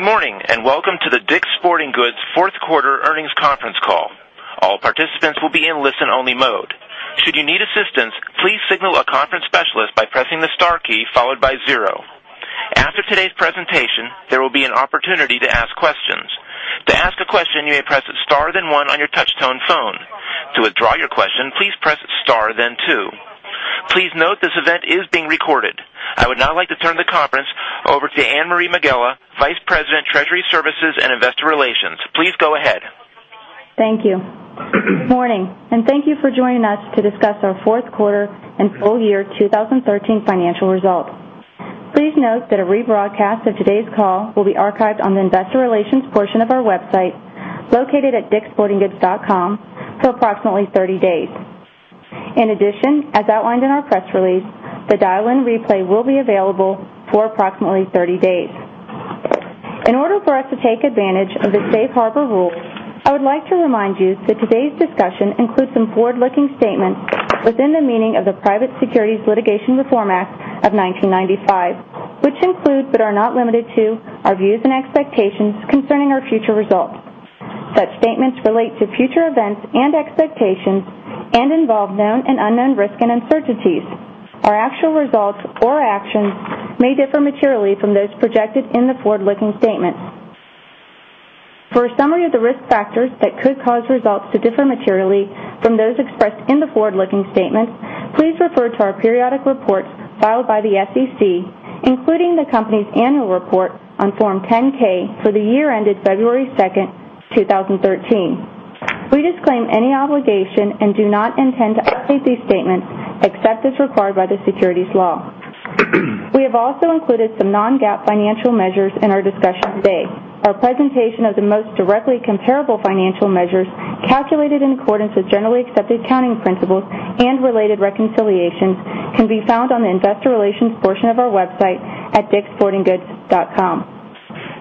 Good morning, and welcome to the DICK’S Sporting Goods fourth quarter earnings conference call. All participants will be in listen-only mode. Should you need assistance, please signal a conference specialist by pressing the star key followed by zero. After today's presentation, there will be an opportunity to ask questions. To ask a question, you may press star, then one on your touch-tone phone. To withdraw your question, please press star, then two. Please note this event is being recorded. I would now like to turn the conference over to Anne-Marie Megela, Vice President, Treasury Services, and Investor Relations. Please go ahead. Thank you. Good morning, thank you for joining us to discuss our fourth quarter and full year 2013 financial results. Please note that a rebroadcast of today's call will be archived on the investor relations portion of our website, located at dickssportinggoods.com, for approximately 30 days. In addition, as outlined in our press release, the dial-in replay will be available for approximately 30 days. In order for us to take advantage of the safe harbor rules, I would like to remind you that today's discussion includes some forward-looking statements within the meaning of the Private Securities Litigation Reform Act of 1995, which include but are not limited to our views and expectations concerning our future results. Such statements relate to future events and expectations and involve known and unknown risks and uncertainties. Our actual results or actions may differ materially from those projected in the forward-looking statements. For a summary of the risk factors that could cause results to differ materially from those expressed in the forward-looking statements, please refer to our periodic reports filed by the SEC, including the company's annual report on Form 10-K for the year ended February 2nd, 2013. We disclaim any obligation and do not intend to update these statements except as required by the securities law. We have also included some non-GAAP financial measures in our discussion today. Our presentation of the most directly comparable financial measures calculated in accordance with generally accepted accounting principles and related reconciliations can be found on the investor relations portion of our website at dickssportinggoods.com.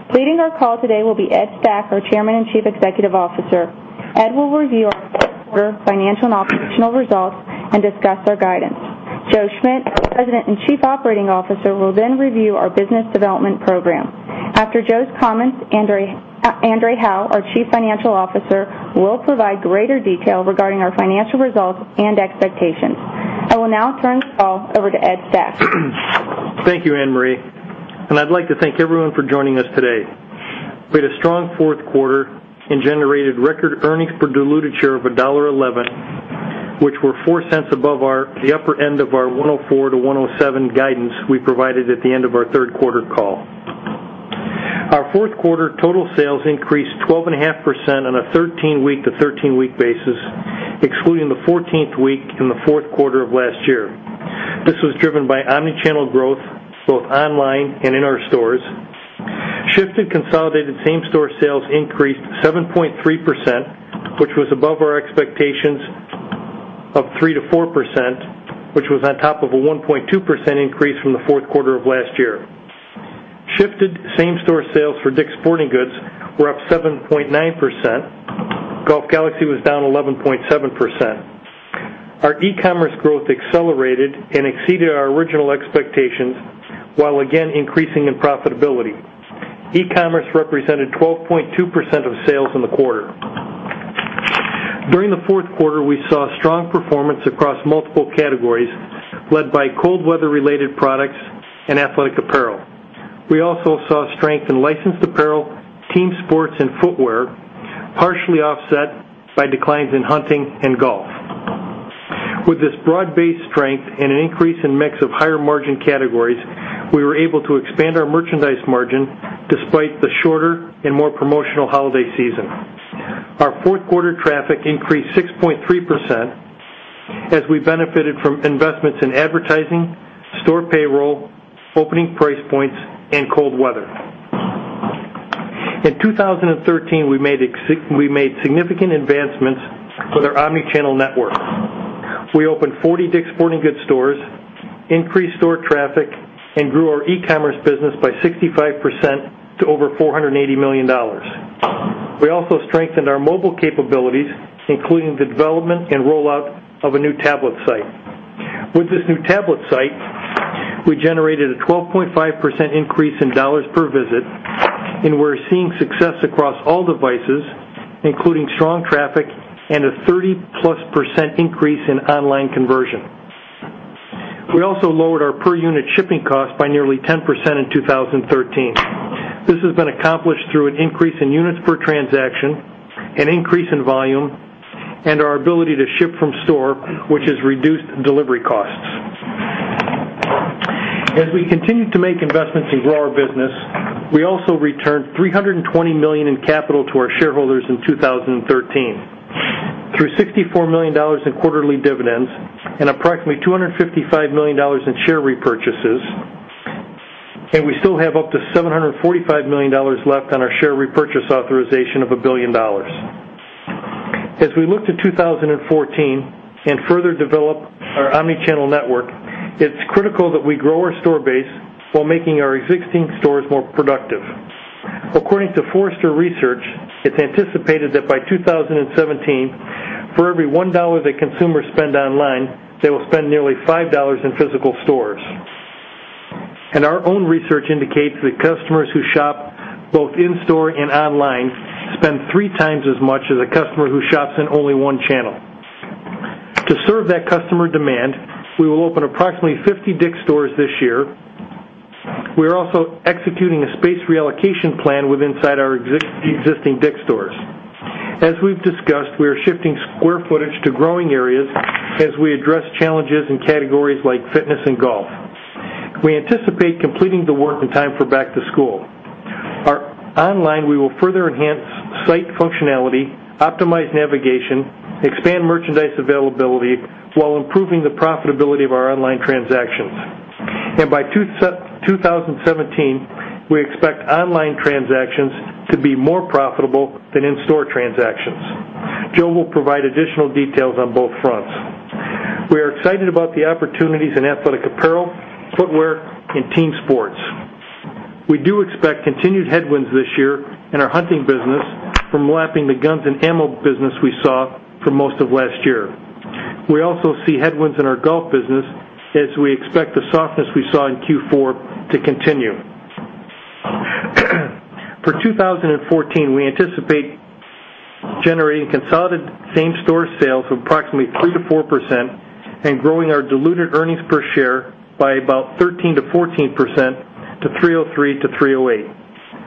Leading our call today will be Ed Stack, our Chairman and Chief Executive Officer. Ed will review our fourth quarter financial and operational results and discuss our guidance. Joe Schmidt, President and Chief Operating Officer, will then review our business development program. After Joe's comments, André Hawaux, our Chief Financial Officer, will provide greater detail regarding our financial results and expectations. I will now turn this call over to Ed Stack. Thank you, Anne-Marie, I'd like to thank everyone for joining us today. We had a strong fourth quarter and generated record earnings per diluted share of $1.11, which were $0.04 above the upper end of our $1.04-$1.07 guidance we provided at the end of our third quarter call. Our fourth quarter total sales increased 12.5% on a 13-week to 13-week basis, excluding the 14th week in the fourth quarter of last year. This was driven by omnichannel growth, both online and in our stores. Shifted consolidated same-store sales increased 7.3%, which was above our expectations of 3%-4%, which was on top of a 1.2% increase from the fourth quarter of last year. Shifted same-store sales for DICK'S Sporting Goods were up 7.9%. Golf Galaxy was down 11.7%. Our e-commerce growth accelerated and exceeded our original expectations, while again increasing in profitability. E-commerce represented 12.2% of sales in the quarter. During the fourth quarter, we saw strong performance across multiple categories led by cold weather-related products and athletic apparel. We also saw strength in licensed apparel, team sports, and footwear, partially offset by declines in hunting and golf. With this broad-based strength and an increase in mix of higher margin categories, we were able to expand our merchandise margin despite the shorter and more promotional holiday season. Our fourth quarter traffic increased 6.3% as we benefited from investments in advertising, store payroll, opening price points, and cold weather. In 2013, we made significant advancements with our omnichannel network. We opened 40 DICK'S Sporting Goods stores, increased store traffic, and grew our e-commerce business by 65% to over $480 million. We also strengthened our mobile capabilities, including the development and rollout of a new tablet site. With this new tablet site, we generated a 12.5% increase in dollars per visit, We're seeing success across all devices, including strong traffic and a 30-plus% increase in online conversion. We also lowered our per-unit shipping cost by nearly 10% in 2013. This has been accomplished through an increase in units per transaction, an increase in volume, and our ability to ship from store, which has reduced delivery costs. As we continue to make investments and grow our business, we also returned $320 million in capital to our shareholders in 2013 through $64 million in quarterly dividends and approximately $255 million in share repurchases, We still have up to $745 million left on our share repurchase authorization of a billion dollars. As we look to 2014 and further develop our omnichannel network, it's critical that we grow our store base while making our existing stores more productive. According to Forrester Research, it's anticipated that by 2017 for every $1 that consumers spend online, they will spend nearly $5 in physical stores. Our own research indicates that customers who shop both in-store and online spend three times as much as a customer who shops in only one channel. To serve that customer demand, we will open approximately 50 DICK'S stores this year. We are also executing a space reallocation plan inside our existing DICK'S stores. As we've discussed, we are shifting square footage to growing areas as we address challenges in categories like fitness and golf. We anticipate completing the work in time for back to school. Online, we will further enhance site functionality, optimize navigation, expand merchandise availability, while improving the profitability of our online transactions. By 2017, we expect online transactions to be more profitable than in-store transactions. Joe will provide additional details on both fronts. We are excited about the opportunities in athletic apparel, footwear, and team sports. We do expect continued headwinds this year in our hunting business from lapping the guns and ammo business we saw for most of last year. We also see headwinds in our golf business as we expect the softness we saw in Q4 to continue. For 2014, we anticipate generating consolidated same-store sales of approximately 3%-4% and growing our diluted earnings per share by about 13%-14%, to $3.03-$3.08.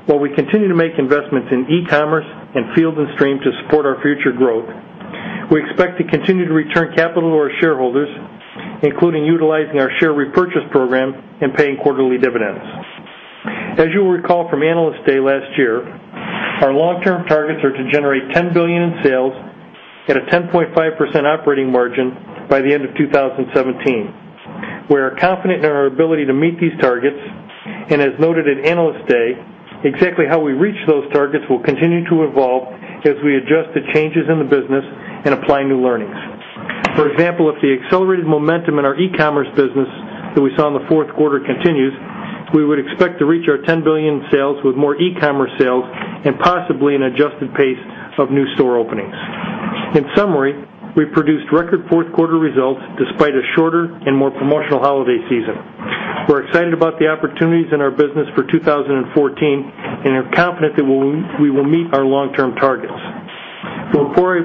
While we continue to make investments in e-commerce and Field & Stream to support our future growth, we expect to continue to return capital to our shareholders, including utilizing our share repurchase program and paying quarterly dividends. As you'll recall from Analyst Day last year, our long-term targets are to generate $10 billion in sales at a 10.5% operating margin by the end of 2017. We are confident in our ability to meet these targets, and as noted at Analyst Day, exactly how we reach those targets will continue to evolve as we adjust to changes in the business and apply new learnings. For example, if the accelerated momentum in our e-commerce business that we saw in the fourth quarter continues, we would expect to reach our $10 billion in sales with more e-commerce sales and possibly an adjusted pace of new store openings. In summary, we produced record fourth quarter results despite a shorter and more promotional holiday season. We're excited about the opportunities in our business for 2014 and are confident that we will meet our long-term targets. Before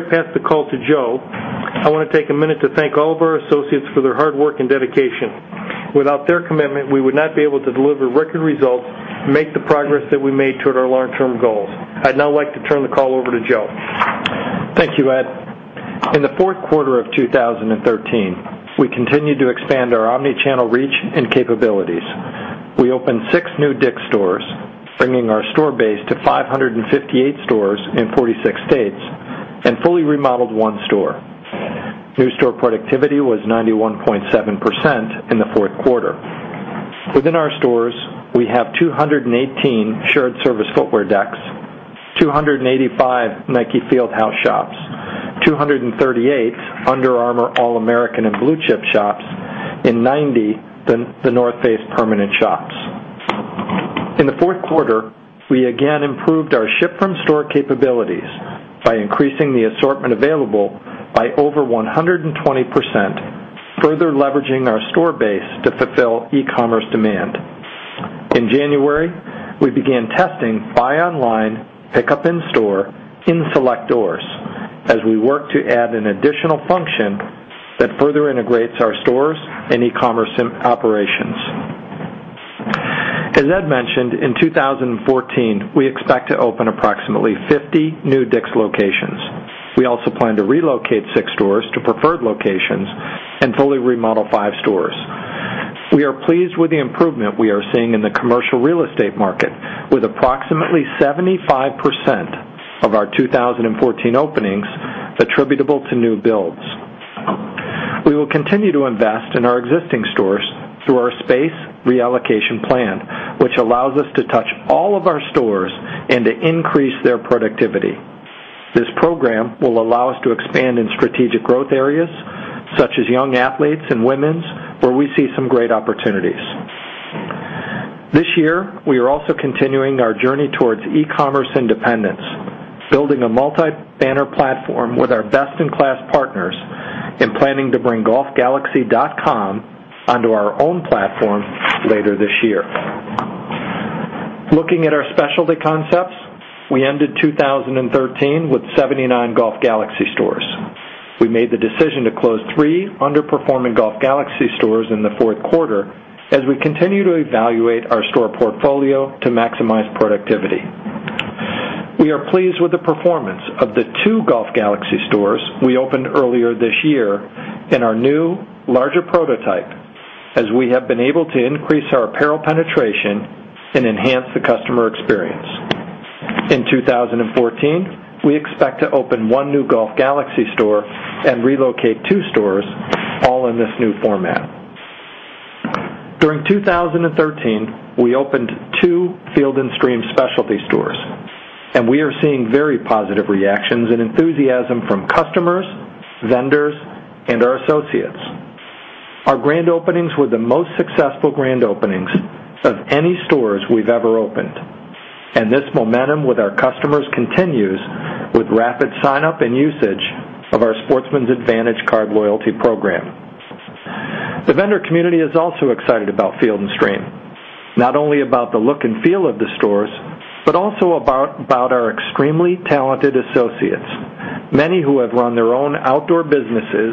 I pass the call to Joe, I want to take a minute to thank all of our associates for their hard work and dedication. Without their commitment, we would not be able to deliver record results and make the progress that we made toward our long-term goals. I'd now like to turn the call over to Joe. Thank you, Ed. In the fourth quarter of 2013, we continued to expand our omnichannel reach and capabilities. We opened six new DICK'S stores, bringing our store base to 558 stores in 46 states, and fully remodeled one store. New store productivity was 91.7% in the fourth quarter. Within our stores, we have 218 shared service footwear decks, 285 Nike Field House shops, 238 Under Armour All-America and Blue Chip shops, and 90 The North Face permanent shops. In the fourth quarter, we again improved our ship from store capabilities by increasing the assortment available by over 120%, further leveraging our store base to fulfill e-commerce demand. In January, we began testing buy online, pickup in store in select stores as we work to add an additional function that further integrates our stores and e-commerce operations. As Ed mentioned, in 2014, we expect to open approximately 50 new DICK'S locations. We also plan to relocate six stores to preferred locations and fully remodel five stores. We are pleased with the improvement we are seeing in the commercial real estate market, with approximately 75% of our 2014 openings attributable to new builds. We will continue to invest in our existing stores through our space reallocation plan, which allows us to touch all of our stores and to increase their productivity. This program will allow us to expand in strategic growth areas, such as young athletes and women's, where we see some great opportunities. This year, we are also continuing our journey towards e-commerce independence, building a multi-banner platform with our best-in-class partners and planning to bring golfgalaxy.com onto our own platform later this year. Looking at our specialty concepts, we ended 2013 with 79 Golf Galaxy stores. We made the decision to close three underperforming Golf Galaxy stores in the fourth quarter as we continue to evaluate our store portfolio to maximize productivity. We are pleased with the performance of the two Golf Galaxy stores we opened earlier this year in our new, larger prototype, as we have been able to increase our apparel penetration and enhance the customer experience. In 2014, we expect to open one new Golf Galaxy store and relocate two stores, all in this new format. During 2013, we opened two Field & Stream specialty stores, and we are seeing very positive reactions and enthusiasm from customers, vendors, and our associates. Our grand openings were the most successful grand openings of any stores we've ever opened, and this momentum with our customers continues with rapid signup and usage of our ScoreCard loyalty program. The vendor community is also excited about Field & Stream, not only about the look and feel of the stores, but also about our extremely talented associates, many who have run their own outdoor businesses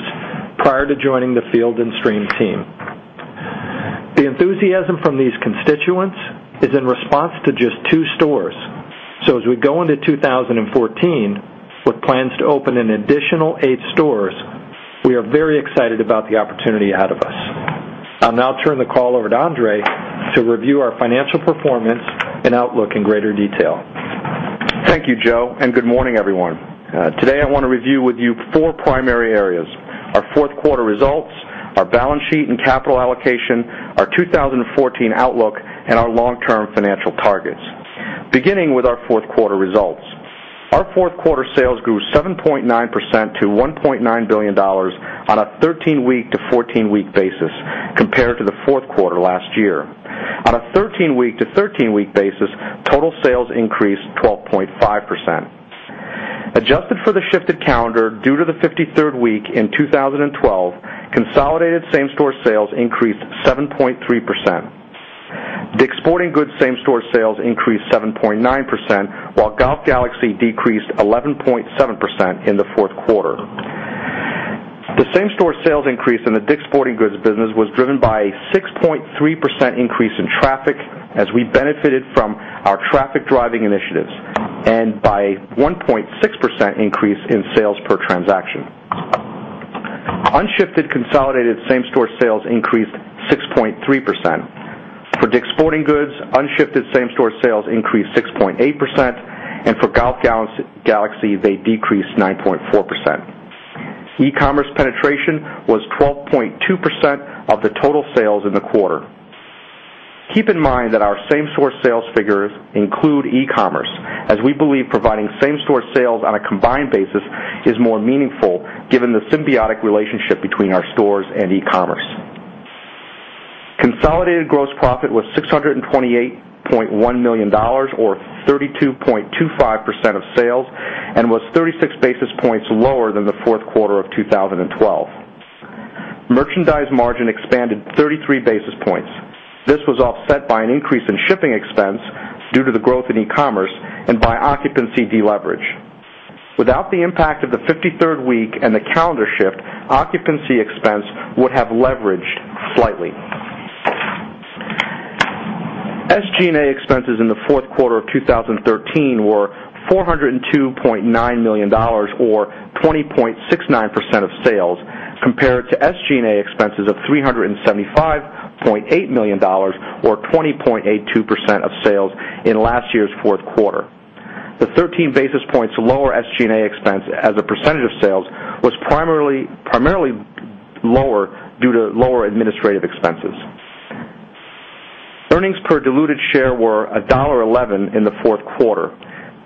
prior to joining the Field & Stream team. The enthusiasm from these constituents is in response to just two stores. As we go into 2014 with plans to open an additional eight stores, we are very excited about the opportunity ahead of us. I'll now turn the call over to André to review our financial performance and outlook in greater detail. Thank you, Joe, and good morning, everyone. Today, I want to review with you four primary areas: our fourth quarter results, our balance sheet and capital allocation, our 2014 outlook, and our long-term financial targets. Beginning with our fourth quarter results. Our fourth quarter sales grew 7.9% to $1.9 billion on a 13-week to 14-week basis compared to the fourth quarter last year. On a 13-week to 13-week basis, total sales increased 12.5%. Adjusted for the shifted calendar due to the 53rd week in 2012, consolidated same-store sales increased 7.3%. DICK'S Sporting Goods same-store sales increased 7.9%, while Golf Galaxy decreased 11.7% in the fourth quarter. The same-store sales increase in the DICK'S Sporting Goods business was driven by a 6.3% increase in traffic as we benefited from our traffic-driving initiatives and by 1.6% increase in sales per transaction. Unshifted consolidated same-store sales increased 6.3%. For DICK'S Sporting Goods, unshifted same-store sales increased 6.8%, and for Golf Galaxy, they decreased 9.4%. E-commerce penetration was 12.2% of the total sales in the quarter. Keep in mind that our same-store sales figures include e-commerce, as we believe providing same-store sales on a combined basis is more meaningful given the symbiotic relationship between our stores and e-commerce. Consolidated gross profit was $628.1 million or 32.25% of sales and was 36 basis points lower than the fourth quarter of 2012. Merchandise margin expanded 33 basis points. This was offset by an increase in shipping expense due to the growth in e-commerce and by occupancy deleverage. Without the impact of the 53rd week and the calendar shift, occupancy expense would have leveraged slightly. SG&A expenses in the fourth quarter of 2013 were $402.9 million or 20.69% of sales, compared to SG&A expenses of $375.8 million or 20.82% of sales in last year's fourth quarter. The 13 basis points lower SG&A expense as a percentage of sales was primarily lower due to lower administrative expenses. Earnings per diluted share were $1.11 in the fourth quarter.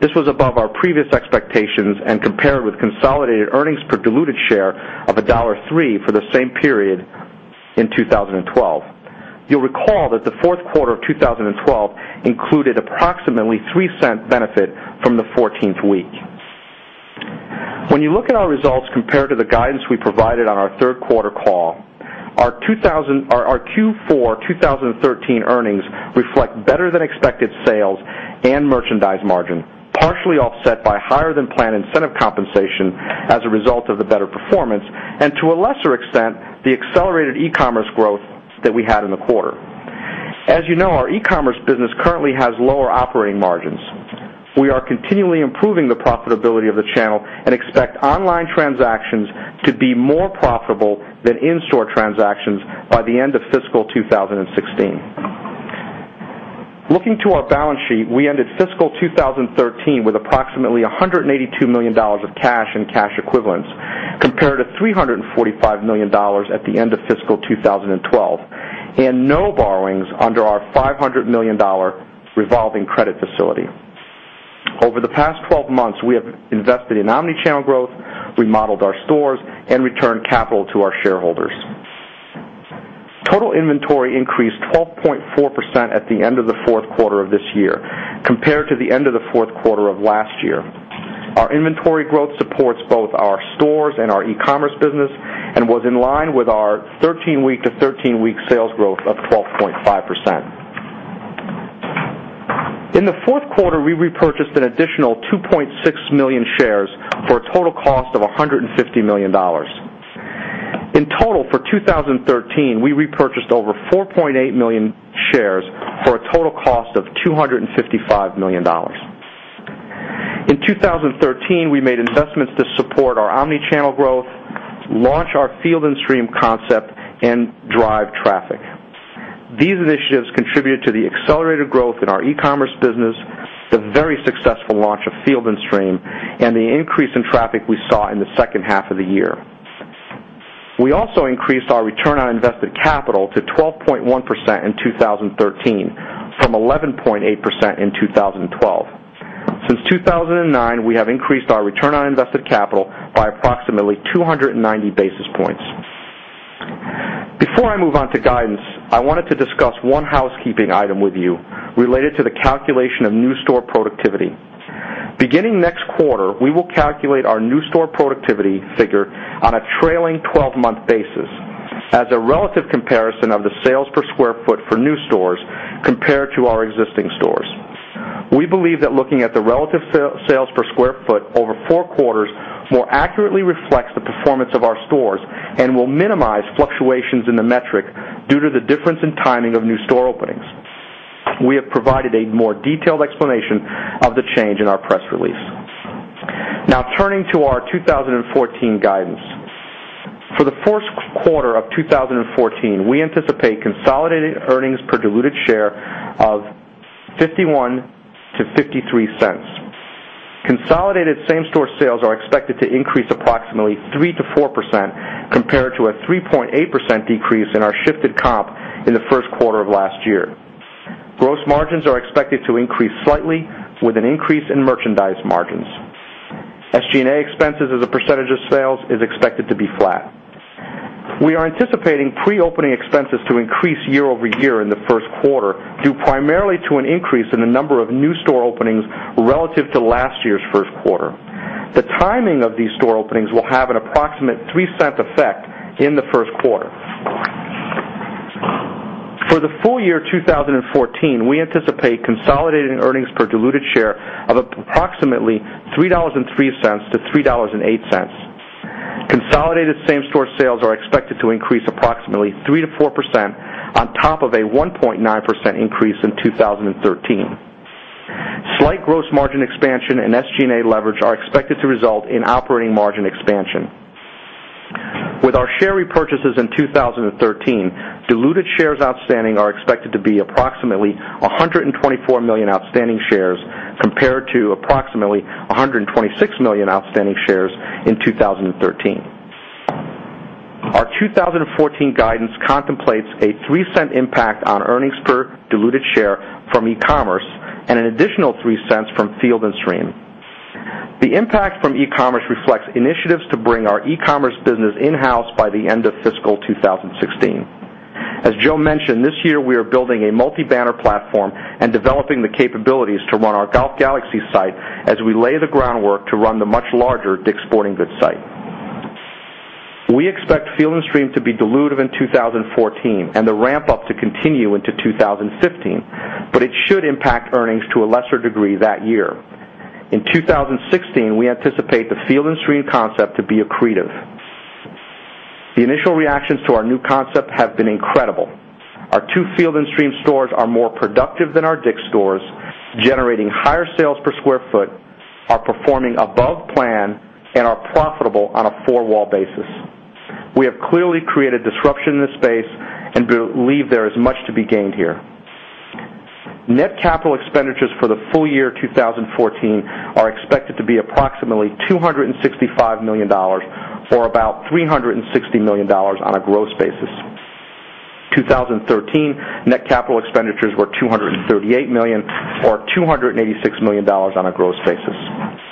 This was above our previous expectations and compared with consolidated earnings per diluted share of $1.3 for the same period in 2012. You'll recall that the fourth quarter of 2012 included approximately $0.03 benefit from the 14th week. When you look at our results compared to the guidance we provided on our third quarter call, our Q4 2013 earnings reflect better than expected sales and merchandise margin, partially offset by higher than planned incentive compensation as a result of the better performance, and to a lesser extent, the accelerated e-commerce growth that we had in the quarter. As you know, our e-commerce business currently has lower operating margins. We are continually improving the profitability of the channel and expect online transactions to be more profitable than in-store transactions by the end of fiscal 2016. Looking to our balance sheet, we ended fiscal 2013 with approximately $182 million of cash and cash equivalents, compared to $345 million at the end of fiscal 2012, and no borrowings under our $500 million revolving credit facility. Over the past 12 months, we have invested in omnichannel growth, remodeled our stores, and returned capital to our shareholders. Total inventory increased 12.4% at the end of the fourth quarter of this year, compared to the end of the fourth quarter of last year. Our inventory growth supports both our stores and our e-commerce business and was in line with our 13-week to 13-week sales growth of 12.5%. In the fourth quarter, we repurchased an additional 2.6 million shares for a total cost of $150 million. In total, for 2013, we repurchased over 4.8 million shares for a total cost of $255 million. In 2013, we made investments to support our omnichannel growth, launch our Field & Stream concept, and drive traffic. These initiatives contributed to the accelerated growth in our e-commerce business, the very successful launch of Field & Stream, and the increase in traffic we saw in the second half of the year. We also increased our return on invested capital to 12.1% in 2013 from 11.8% in 2012. Since 2009, we have increased our return on invested capital by approximately 290 basis points. Before I move on to guidance, I wanted to discuss one housekeeping item with you related to the calculation of new store productivity. Beginning next quarter, we will calculate our new store productivity figure on a trailing 12-month basis as a relative comparison of the sales per square foot for new stores compared to our existing stores. We believe that looking at the relative sales per square foot over four quarters more accurately reflects the performance of our stores and will minimize fluctuations in the metric due to the difference in timing of new store openings. We have provided a more detailed explanation of the change in our press release. Turning to our 2014 guidance. For the first quarter of 2014, we anticipate consolidated earnings per diluted share of $0.51 to $0.53. Consolidated same-store sales are expected to increase approximately 3%-4%, compared to a 3.8% decrease in our shifted comp in the first quarter of last year. Gross margins are expected to increase slightly with an increase in merchandise margins. SG&A expenses as a % of sales is expected to be flat. We are anticipating pre-opening expenses to increase year-over-year in the first quarter, due primarily to an increase in the number of new store openings relative to last year's first quarter. The timing of these store openings will have an approximate $0.03 effect in the first quarter. For the full year 2014, we anticipate consolidating earnings per diluted share of approximately $3.03 to $3.08. Consolidated same-store sales are expected to increase approximately 3%-4% on top of a 1.9% increase in 2013. Slight gross margin expansion and SG&A leverage are expected to result in operating margin expansion. With our share repurchases in 2013, diluted shares outstanding are expected to be approximately 124 million outstanding shares compared to approximately 126 million outstanding shares in 2013. Our 2014 guidance contemplates a $0.03 impact on earnings per diluted share from e-commerce and an additional $0.03 from Field & Stream. The impact from e-commerce reflects initiatives to bring our e-commerce business in-house by the end of fiscal 2016. As Joe mentioned, this year we are building a multi-banner platform and developing the capabilities to run our Golf Galaxy site as we lay the groundwork to run the much larger DICK'S Sporting Goods site. We expect Field & Stream to be dilutive in 2014 and the ramp-up to continue into 2015, but it should impact earnings to a lesser degree that year. In 2016, we anticipate the Field & Stream concept to be accretive. The initial reactions to our new concept have been incredible. Our two Field & Stream stores are more productive than our DICK'S stores, generating higher sales per square foot, are performing above plan, and are profitable on a four-wall basis. We have clearly created disruption in this space and believe there is much to be gained here. Net capital expenditures for the full year 2014 are expected to be approximately $265 million, or about $360 million on a gross basis. 2013 net capital expenditures were $238 million, or $286 million on a gross basis.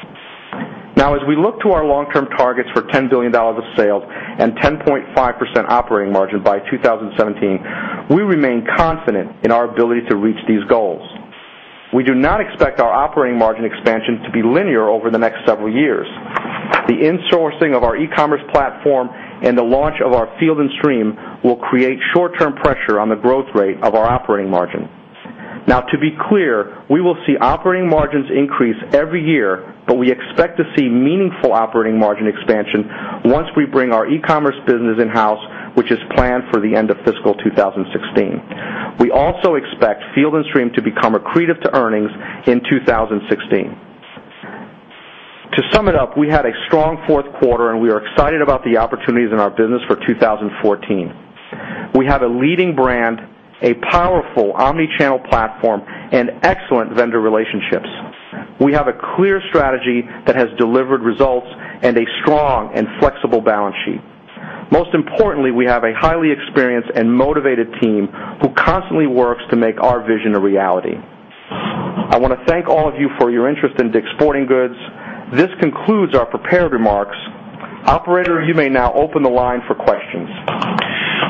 As we look to our long-term targets for $10 billion of sales and 10.5% operating margin by 2017, we remain confident in our ability to reach these goals. We do not expect our operating margin expansion to be linear over the next several years. The insourcing of our e-commerce platform and the launch of our Field & Stream will create short-term pressure on the growth rate of our operating margin. To be clear, we will see operating margins increase every year, but we expect to see meaningful operating margin expansion once we bring our e-commerce business in-house, which is planned for the end of fiscal 2016. We also expect Field & Stream to become accretive to earnings in 2016. To sum it up, we had a strong fourth quarter, and we are excited about the opportunities in our business for 2014. We have a leading brand, a powerful omnichannel platform, and excellent vendor relationships. We have a clear strategy that has delivered results and a strong and flexible balance sheet. Most importantly, we have a highly experienced and motivated team who constantly works to make our vision a reality. I want to thank all of you for your interest in DICK'S Sporting Goods. This concludes our prepared remarks. Operator, you may now open the line for questions.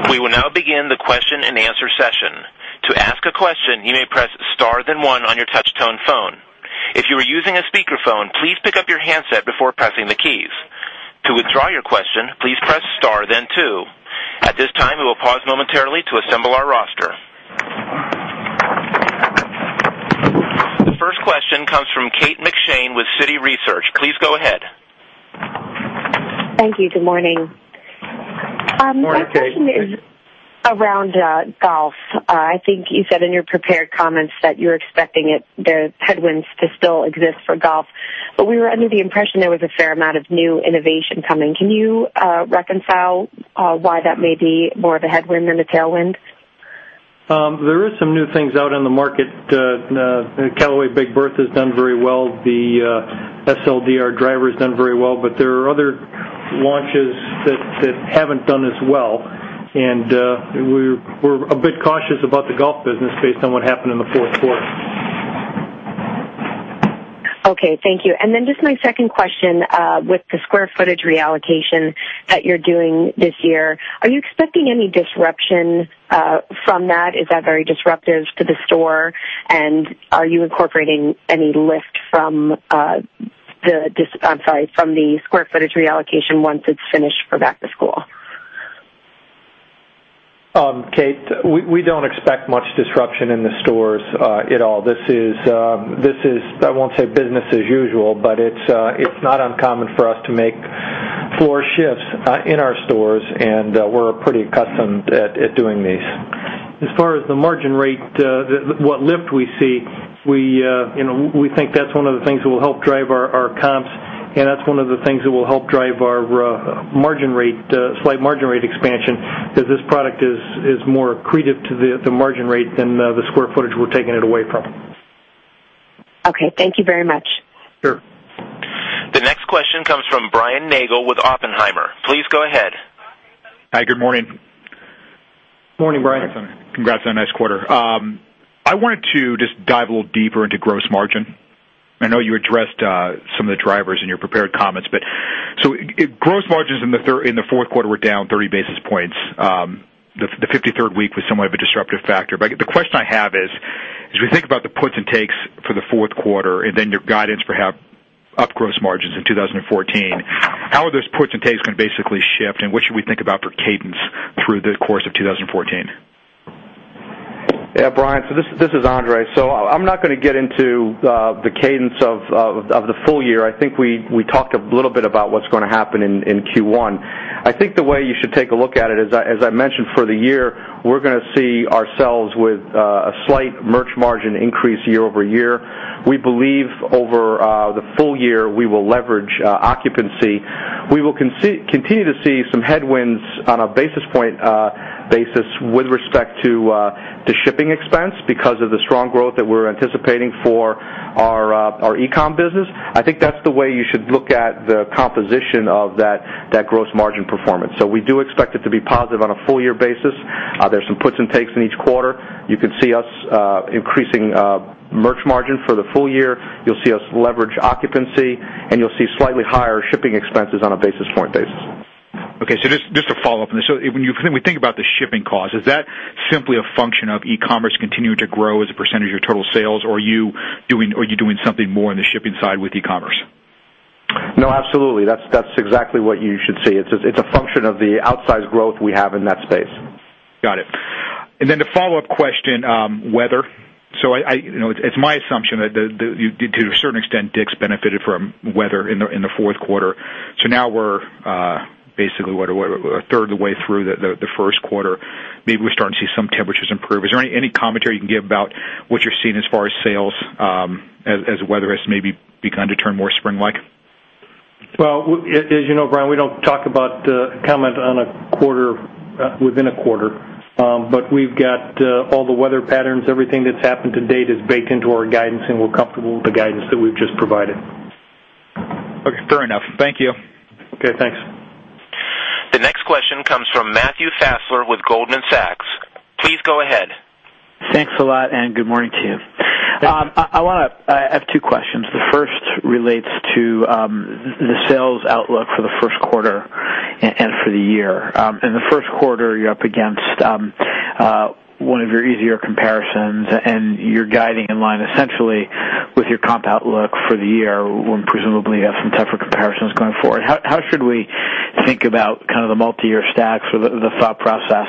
We will now begin the question and answer session. To ask a question, you may press star then one on your touch tone phone. If you are using a speakerphone, please pick up your handset before pressing the keys. To withdraw your question, please press star then two. At this time, we will pause momentarily to assemble our roster. The first question comes from Kate McShane with Citi Research. Please go ahead. Thank you. Good morning. Morning, Kate. My question is around golf. I think you said in your prepared comments that you're expecting the headwinds to still exist for golf, but we were under the impression there was a fair amount of new innovation coming. Can you reconcile why that may be more of a headwind than a tailwind? There is some new things out in the market. Callaway Big Bertha has done very well. The SLDR driver has done very well. There are other launches that haven't done as well. We're a bit cautious about the golf business based on what happened in the fourth quarter. Okay, thank you. Just my second question, with the square footage reallocation that you're doing this year, are you expecting any disruption from that? Is that very disruptive to the store? Are you incorporating any lift from the square footage reallocation once it's finished for back to school? Kate, we don't expect much disruption in the stores at all. This is, I won't say business as usual, but it's not uncommon for us to make floor shifts in our stores, we're pretty accustomed at doing these. As far as the margin rate, what lift we see, we think that's one of the things that will help drive our comps, that's one of the things that will help drive our slight margin rate expansion, because this product is more accretive to the margin rate than the square footage we're taking it away from. Okay. Thank you very much. Sure. The next question comes from Brian Nagel with Oppenheimer. Please go ahead. Hi, good morning. Morning, Brian. Congratulations on a nice quarter. I wanted to just dive a little deeper into gross margin. I know you addressed some of the drivers in your prepared comments. Gross margins in the fourth quarter were down 30 basis points. The 53rd week was somewhat of a disruptive factor. The question I have is, as we think about the puts and takes for the fourth quarter and then your guidance for up gross margins in 2014, how are those puts and takes going to basically shift, and what should we think about for cadence through the course of 2014? Brian, this is André. I'm not going to get into the cadence of the full year. I think we talked a little bit about what's going to happen in Q1. I think the way you should take a look at it is, as I mentioned, for the year, we're going to see ourselves with a slight merch margin increase year-over-year. We believe over the full year, we will leverage occupancy. We will continue to see some headwinds on a basis point basis with respect to shipping expense because of the strong growth that we're anticipating for our e-com business. I think that's the way you should look at the composition of that gross margin performance. We do expect it to be positive on a full year basis. There's some puts and takes in each quarter. You can see us increasing merch margin for the full year. You'll see us leverage occupancy, and you'll see slightly higher shipping expenses on a basis point basis. Just to follow up on this. When we think about the shipping cost, is that simply a function of e-commerce continuing to grow as a percentage of your total sales, or are you doing something more on the shipping side with e-commerce? No, absolutely. That's exactly what you should see. It's a function of the outsized growth we have in that space. Got it. The follow-up question, weather. It's my assumption that to a certain extent, DICK'S benefited from weather in the fourth quarter. Now we're basically a third of the way through the first quarter. Maybe we're starting to see some temperatures improve. Is there any commentary you can give about what you're seeing as far as sales, as weather has maybe begun to turn more spring-like? Well, as you know, Brian, we don't talk about comment within a quarter. We've got all the weather patterns. Everything that's happened to date is baked into our guidance, and we're comfortable with the guidance that we've just provided. Okay, fair enough. Thank you. Okay, thanks. The next question comes from Matthew Fassler with Goldman Sachs. Please go ahead. Thanks a lot, and good morning to you. I have two questions. The first relates to the sales outlook for the first quarter and for the year. In the first quarter, you're up against one of your easier comparisons, and you're guiding in line essentially with your comp outlook for the year, when presumably you have some tougher comparisons going forward. How should we think about the multi-year stacks or the thought process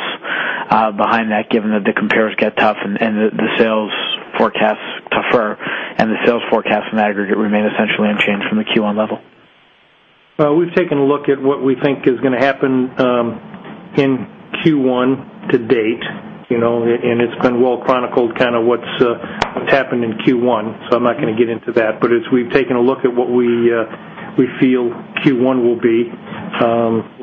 behind that, given that the compares get tough and the sales forecasts tougher, and the sales forecasts, in aggregate, remain essentially unchanged from the Q1 level? Well, we've taken a look at what we think is going to happen in Q1 to date, and it's been well chronicled, what's happened in Q1. I'm not going to get into that. As we've taken a look at what we feel Q1 will be,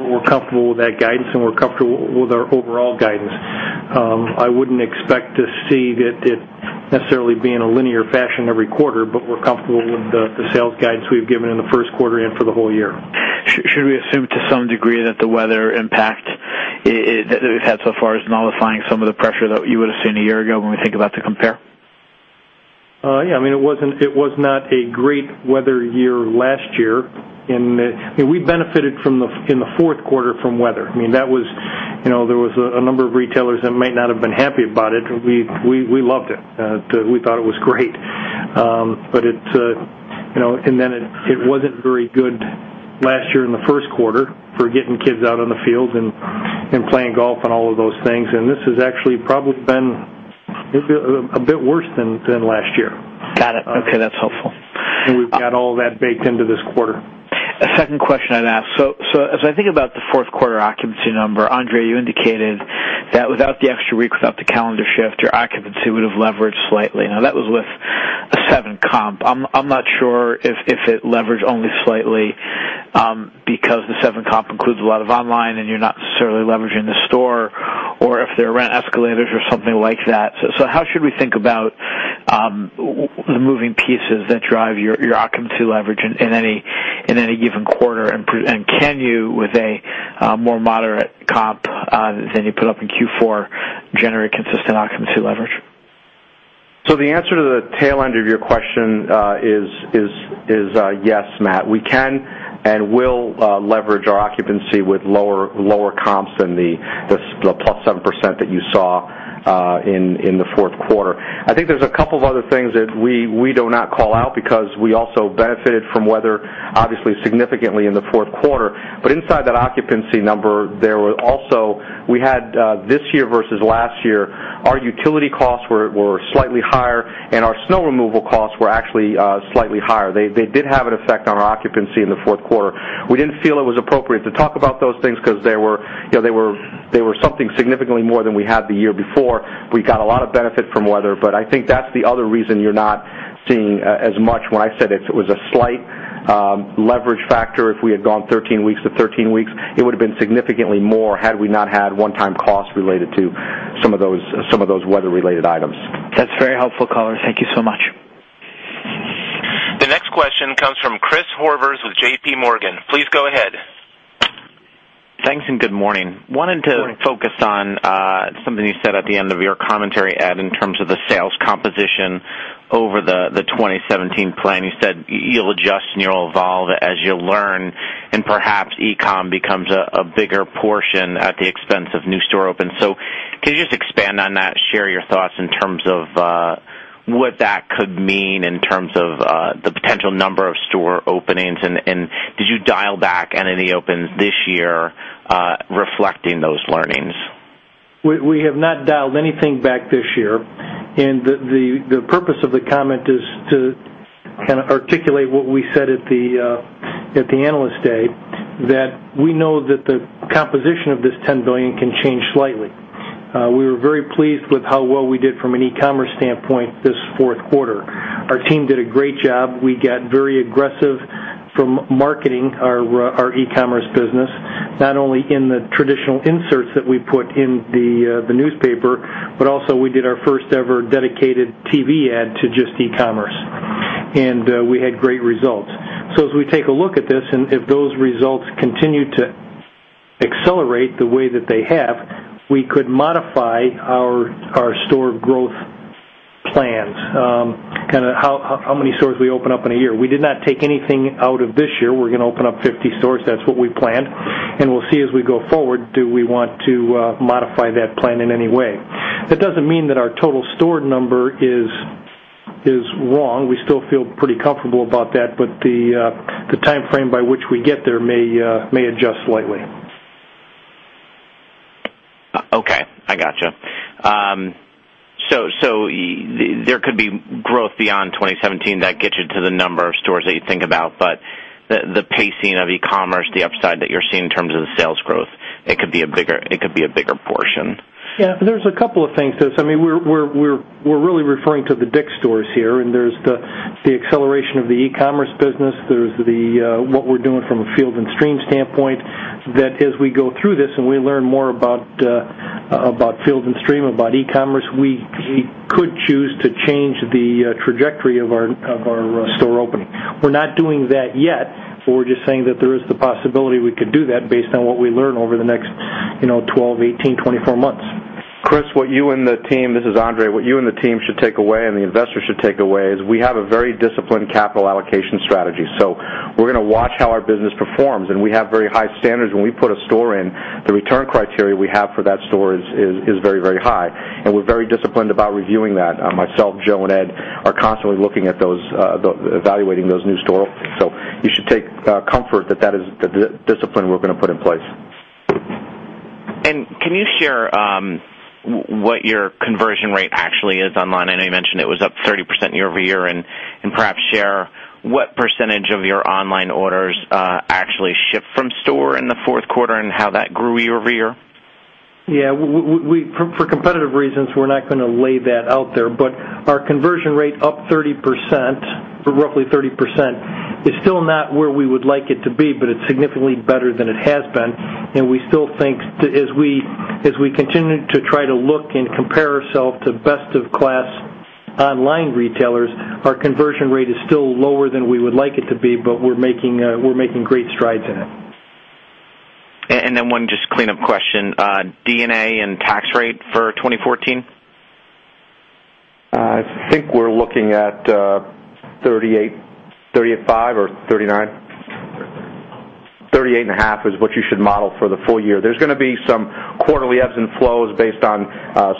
we're comfortable with that guidance, and we're comfortable with our overall guidance. I wouldn't expect to see it necessarily be in a linear fashion every quarter, but we're comfortable with the sales guidance we've given in the first quarter and for the whole year. Should we assume to some degree that the weather impact that we've had so far is nullifying some of the pressure that you would have seen a year ago when we think about the compare? Yeah. It was not a great weather year last year, and we benefited in the fourth quarter from weather. There was a number of retailers that might not have been happy about it. We loved it. We thought it was great. Then it wasn't very good last year in the first quarter for getting kids out on the field and playing golf and all of those things. This has actually probably been a bit worse than last year. Got it. Okay, that's helpful. We've got all that baked into this quarter. A second question I'd ask. As I think about the fourth quarter occupancy number, André, you indicated that without the extra week, without the calendar shift, your occupancy would have leveraged slightly. That was with a 7% comp. I'm not sure if it leveraged only slightly because the 7% comp includes a lot of e-commerce and you're not necessarily leveraging the store, or if there are rent escalators or something like that. How should we think about The moving pieces that drive your occupancy leverage in any given quarter, and can you, with a more moderate comp than you put up in Q4, generate consistent occupancy leverage? The answer to the tail end of your question is yes, Matthew. We can and will leverage our occupancy with lower comps than the +7% that you saw in the fourth quarter. I think there's a couple of other things that we do not call out because we also benefited from weather, obviously, significantly in the fourth quarter. Inside that occupancy number, we had this year versus last year, our utility costs were slightly higher, and our snow removal costs were actually slightly higher. They did have an effect on our occupancy in the fourth quarter. We didn't feel it was appropriate to talk about those things because they were something significantly more than we had the year before. I think that's the other reason you're not seeing as much. When I said it was a slight leverage factor, if we had gone 13 weeks to 13 weeks, it would have been significantly more had we not had one-time costs related to some of those weather-related items. That's very helpful color. Thank you so much. The next question comes from Chris Horvers with J.P. Morgan. Please go ahead. Thanks. Good morning. Good morning. Wanted to focus on something you said at the end of your commentary, Ed, in terms of the sales composition over the 2017 plan. You said you'll adjust and you'll evolve as you learn, and perhaps e-com becomes a bigger portion at the expense of new store opens. Can you just expand on that, share your thoughts in terms of what that could mean in terms of the potential number of store openings, and did you dial back any opens this year reflecting those learnings? We have not dialed anything back this year. The purpose of the comment is to articulate what we said at the Analyst Day, that we know that the composition of this $10 billion can change slightly. We were very pleased with how well we did from an e-commerce standpoint this fourth quarter. Our team did a great job. We got very aggressive from marketing our e-commerce business, not only in the traditional inserts that we put in the newspaper, but also we did our first ever dedicated TV ad to just e-commerce. We had great results. As we take a look at this, and if those results continue to accelerate the way that they have, we could modify our store growth plans. How many stores we open up in a year. We did not take anything out of this year. We're going to open up 50 stores. That's what we planned. We'll see as we go forward, do we want to modify that plan in any way. That doesn't mean that our total store number is wrong. We still feel pretty comfortable about that, but the timeframe by which we get there may adjust slightly. Okay. I got you. There could be growth beyond 2017 that gets you to the number of stores that you think about, but the pacing of e-commerce, the upside that you're seeing in terms of the sales growth, it could be a bigger portion. Yeah, there's a couple of things to this. We're really referring to the DICK'S stores here. There's the acceleration of the e-commerce business. There's what we're doing from a Field & Stream standpoint, that as we go through this and we learn more about Field & Stream, about e-commerce, we could choose to change the trajectory of our store opening. We're not doing that yet, but we're just saying that there is the possibility we could do that based on what we learn over the next 12, 18, 24 months. Chris, this is André, what you and the team should take away and the investors should take away is we have a very disciplined capital allocation strategy. We're going to watch how our business performs. We have very high standards. When we put a store in, the return criteria we have for that store is very high, and we're very disciplined about reviewing that. Myself, Joe, and Ed are constantly looking at evaluating those new store opens. You should take comfort that that is the discipline we're going to put in place. Can you share what your conversion rate actually is online? I know you mentioned it was up 30% year-over-year. Perhaps share what percentage of your online orders actually ship from store in the fourth quarter and how that grew year-over-year. Yeah. For competitive reasons, we're not going to lay that out there, but our conversion rate up 30%, or roughly 30%, is still not where we would like it to be, but it's significantly better than it has been. We still think as we continue to try to look and compare ourselves to best of class online retailers, our conversion rate is still lower than we would like it to be, but we're making great strides in it. One just clean up question. D&A and tax rate for 2014? I think we're looking at 38.5 or 39. 38.5 is what you should model for the full year. There's going to be some quarterly ebbs and flows based on,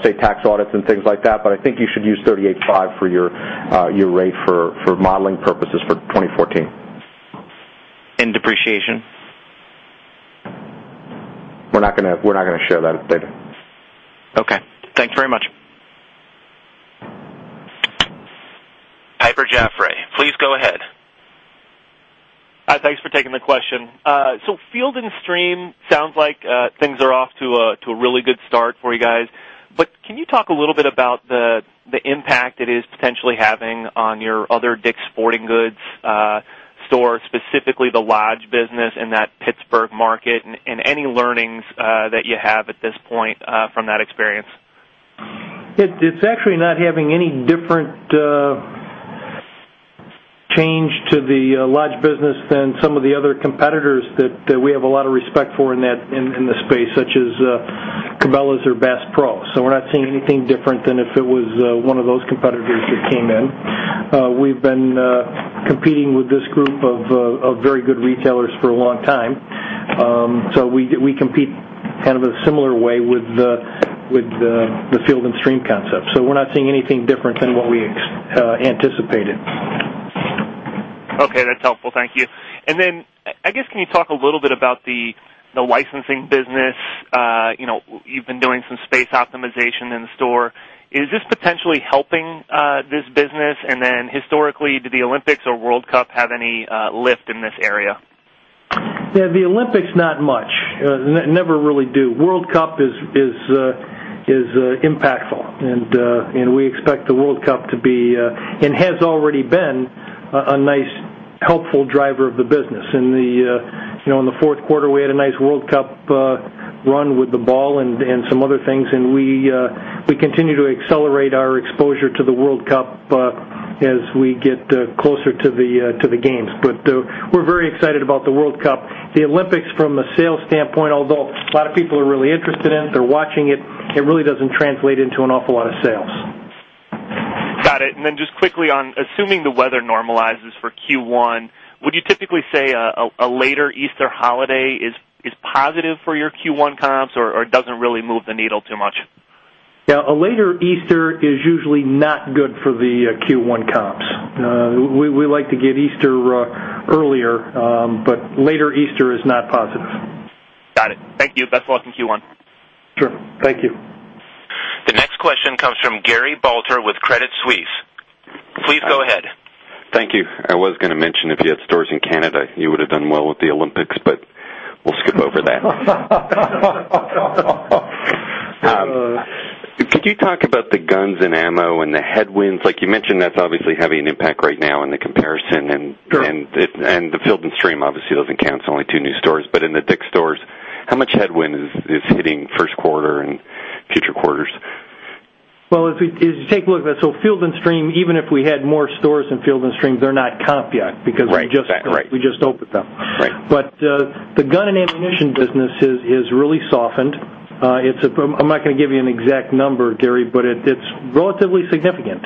say, tax audits and things like that. I think you should use 38.5 for your rate for modeling purposes for 2014. Depreciation. We're not going to share that data. Okay. Thanks very much. Piper Jaffray, please go ahead. Thanks for taking the question. Field & Stream sounds like things are off to a really good start for you guys. But can you talk a little bit about the impact it is potentially having on your other DICK'S Sporting Goods store, specifically the lodge business in that Pittsburgh market and any learnings that you have at this point from that experience. It's actually not having any different change to the lodge business than some of the other competitors that we have a lot of respect for in this space, such as Cabela's or Bass Pro. We're not seeing anything different than if it was one of those competitors that came in. We've been competing with this group of very good retailers for a long time. We compete kind of a similar way with the Field & Stream concept. We're not seeing anything different than what we anticipated. Okay, that's helpful. Thank you. Can you talk a little bit about the licensing business? You've been doing some space optimization in the store. Is this potentially helping this business? Historically, did the Olympics or World Cup have any lift in this area? Yeah. The Olympics, not much. Never really do. World Cup is impactful and we expect the World Cup to be, and has already been, a nice, helpful driver of the business. In the fourth quarter, we had a nice World Cup run with the ball and some other things, and we continue to accelerate our exposure to the World Cup as we get closer to the games. We're very excited about the World Cup. The Olympics, from a sales standpoint, although a lot of people are really interested in it, they're watching it really doesn't translate into an awful lot of sales. Got it. Just quickly on, assuming the weather normalizes for Q1, would you typically say a later Easter holiday is positive for your Q1 comps or it doesn't really move the needle too much? Yeah. A later Easter is usually not good for the Q1 comps. We like to get Easter earlier, but later Easter is not positive. Got it. Thank you. Best of luck in Q1. Sure. Thank you. The next question comes from Gary Balter with Credit Suisse. Please go ahead. Thank you. I was going to mention if you had stores in Canada, you would've done well with the Olympics. We'll skip over that. Could you talk about the guns and ammo and the headwinds? Like you mentioned, that's obviously having an impact right now in the comparison and- Sure. The Field & Stream obviously lives in Canada, only two new stores. In the DICK'S stores, how much headwind is hitting first quarter and future quarters? Well, if you take a look, so Field & Stream, even if we had more stores in Field & Stream, they're not comp yet because Right we just opened them. Right. The gun and ammunition business has really softened. I'm not going to give you an exact number, Gary, but it's relatively significant.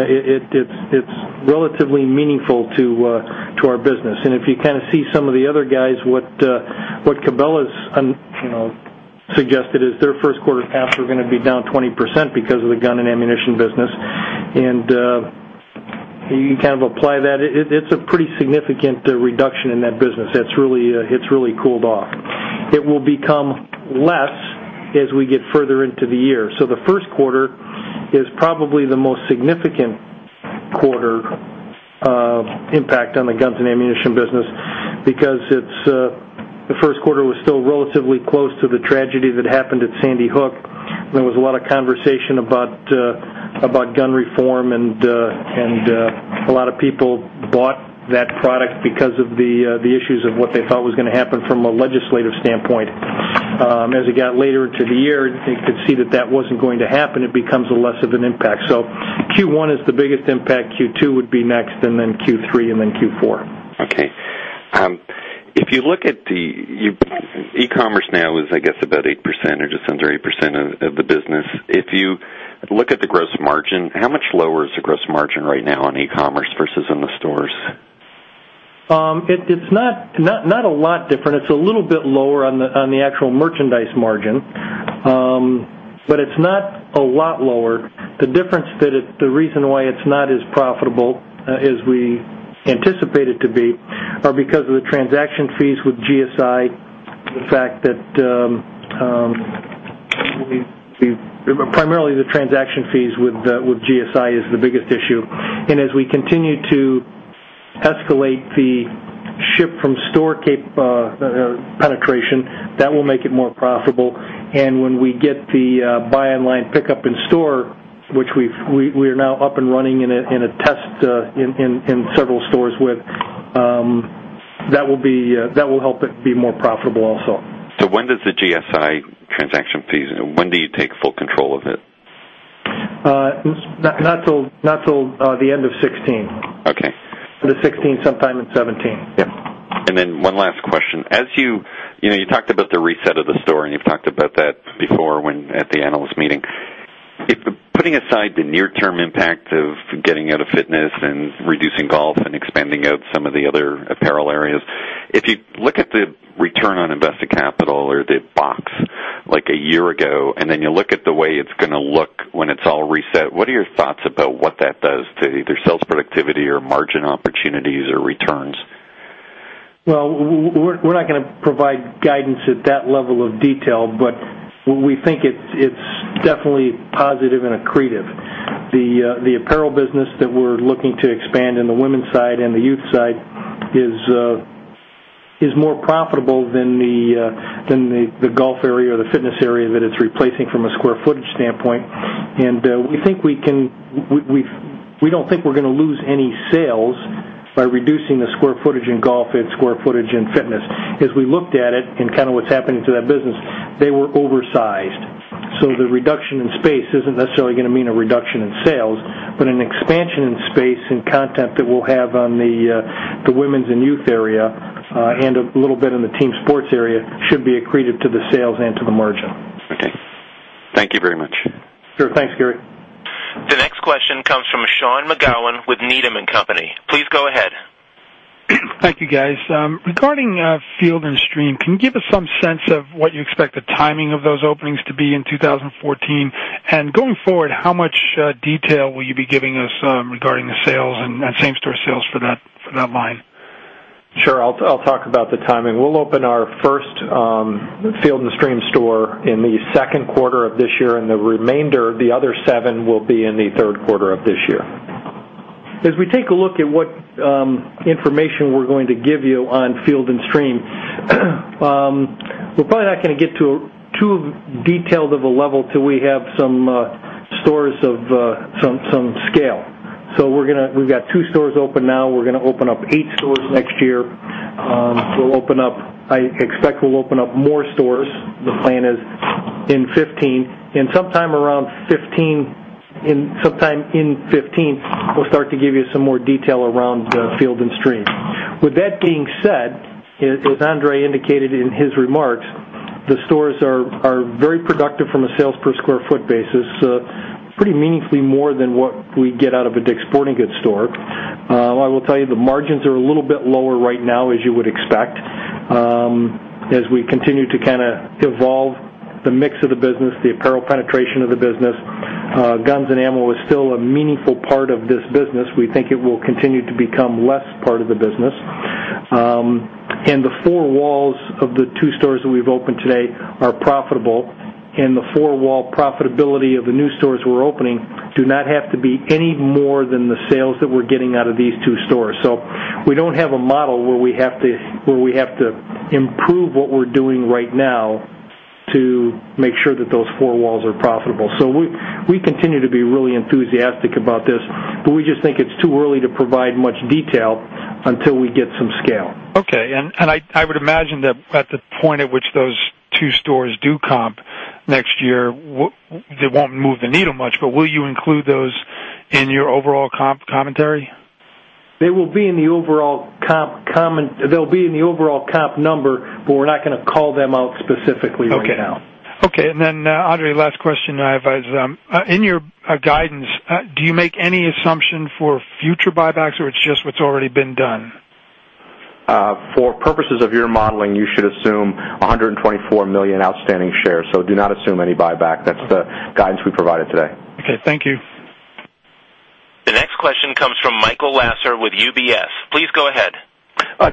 It's relatively meaningful to our business. If you kind of see some of the other guys, what Cabela's suggested is their first quarter comps are going to be down 20% because of the gun and ammunition business. You can kind of apply that. It's a pretty significant reduction in that business. It's really cooled off. It will become less as we get further into the year. The first quarter is probably the most significant quarter impact on the guns and ammunition business because the first quarter was still relatively close to the tragedy that happened at Sandy Hook. There was a lot of conversation about gun reform and a lot of people bought that product because of the issues of what they thought was going to happen from a legislative standpoint. As it got later into the year, you could see that that wasn't going to happen. It becomes a less of an impact. Q1 is the biggest impact, Q2 would be next, and then Q3 and then Q4. Okay. e-commerce now is, I guess about 8% or just under 8% of the business. If you look at the gross margin, how much lower is the gross margin right now on e-commerce versus in the stores? It's not a lot different. It's a little bit lower on the actual merchandise margin. It's not a lot lower. The reason why it's not as profitable as we anticipate it to be are because of the transaction fees with GSI and the fact that primarily the transaction fees with GSI is the biggest issue. As we continue to escalate the ship from store penetration, that will make it more profitable. When we get the buy online pickup in store, which we are now up and running in a test in several stores with, that will help it be more profitable also. When does the GSI transaction fees, when do you take full control of it? Not till the end of 2016. Okay. The 2016, sometime in 2017. Yeah. One last question. You talked about the reset of the store, and you've talked about that before at the analyst meeting. Putting aside the near-term impact of getting out of fitness and reducing golf and expanding out some of the other apparel areas, if you look at the return on invested capital or the box, like a year ago, and then you look at the way it's going to look when it's all reset, what are your thoughts about what that does to either sales productivity or margin opportunities or returns? Well, we're not going to provide guidance at that level of detail, we think it's definitely positive and accretive. The apparel business that we're looking to expand in the women's side and the youth side is more profitable than the golf area or the fitness area that it's replacing from a square footage standpoint. We don't think we're going to lose any sales by reducing the square footage in golf and square footage in fitness. We looked at it and what's happening to that business, they were oversized. The reduction in space isn't necessarily going to mean a reduction in sales, but an expansion in space and content that we'll have on the women's and youth area, and a little bit in the team sports area, should be accretive to the sales and to the margin. Okay. Thank you very much. Sure. Thanks, Gary. The next question comes from Sean McGowan with Needham & Company. Please go ahead. Thank you, guys. Regarding Field & Stream, can you give us some sense of what you expect the timing of those openings to be in 2014? Going forward, how much detail will you be giving us regarding the sales and same-store sales for that line? Sure. I'll talk about the timing. We'll open our first Field & Stream store in the second quarter of this year, and the remainder, the other seven, will be in the third quarter of this year. As we take a look at what information we're going to give you on Field & Stream, we're probably not going to get to too detailed of a level till we have some stores of some scale. We've got two stores open now. We're going to open up eight stores next year. I expect we'll open up more stores. The plan is in 2015, and sometime in 2015, we'll start to give you some more detail around Field & Stream. With that being said, as André indicated in his remarks, the stores are very productive from a sales per square foot basis, pretty meaningfully more than what we get out of a DICK'S Sporting Goods store. I will tell you the margins are a little bit lower right now, as you would expect. As we continue to evolve the mix of the business, the apparel penetration of the business. Guns and ammo is still a meaningful part of this business. We think it will continue to become less part of the business. The four walls of the two stores that we've opened today are profitable, and the four-wall profitability of the new stores we're opening do not have to be any more than the sales that we're getting out of these two stores. We don't have a model where we have to improve what we're doing right now to make sure that those four walls are profitable. We continue to be really enthusiastic about this, but we just think it's too early to provide much detail until we get some scale. Okay. I would imagine that at the point at which those two stores do comp next year, they won't move the needle much, but will you include those in your overall comp commentary? They will be in the overall comp number, we're not going to call them out specifically right now. Okay. André, last question I have. In your guidance, do you make any assumption for future buybacks, or it's just what's already been done? For purposes of your modeling, you should assume 124 million outstanding shares, do not assume any buyback. That's the guidance we provided today. Okay. Thank you. The next question comes from Michael Lasser with UBS. Please go ahead.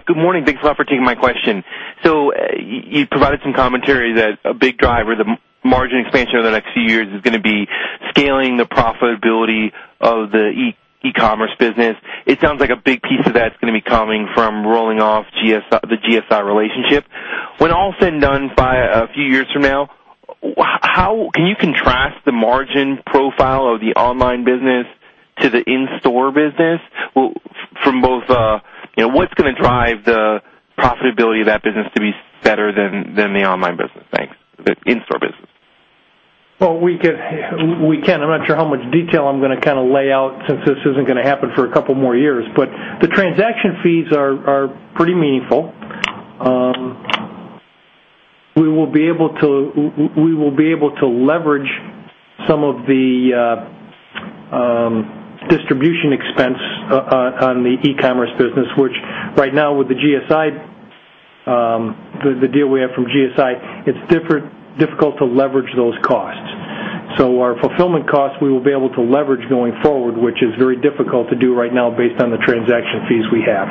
Good morning. Thanks a lot for taking my question. You provided some commentary that a big driver, the margin expansion over the next few years is going to be scaling the profitability of the e-commerce business. It sounds like a big piece of that is going to be coming from rolling off the GSI relationship. When all is said and done by a few years from now, can you contrast the margin profile of the online business to the in-store business? What's going to drive the profitability of that business to be better than the online business? Thanks. The in-store business. Well, we can. I'm not sure how much detail I'm going to lay out since this isn't going to happen for a couple more years. The transaction fees are pretty meaningful. We will be able to leverage some of the distribution expense on the e-commerce business, which right now with the deal we have from GSI, it's difficult to leverage those costs. Our fulfillment costs, we will be able to leverage going forward, which is very difficult to do right now based on the transaction fees we have.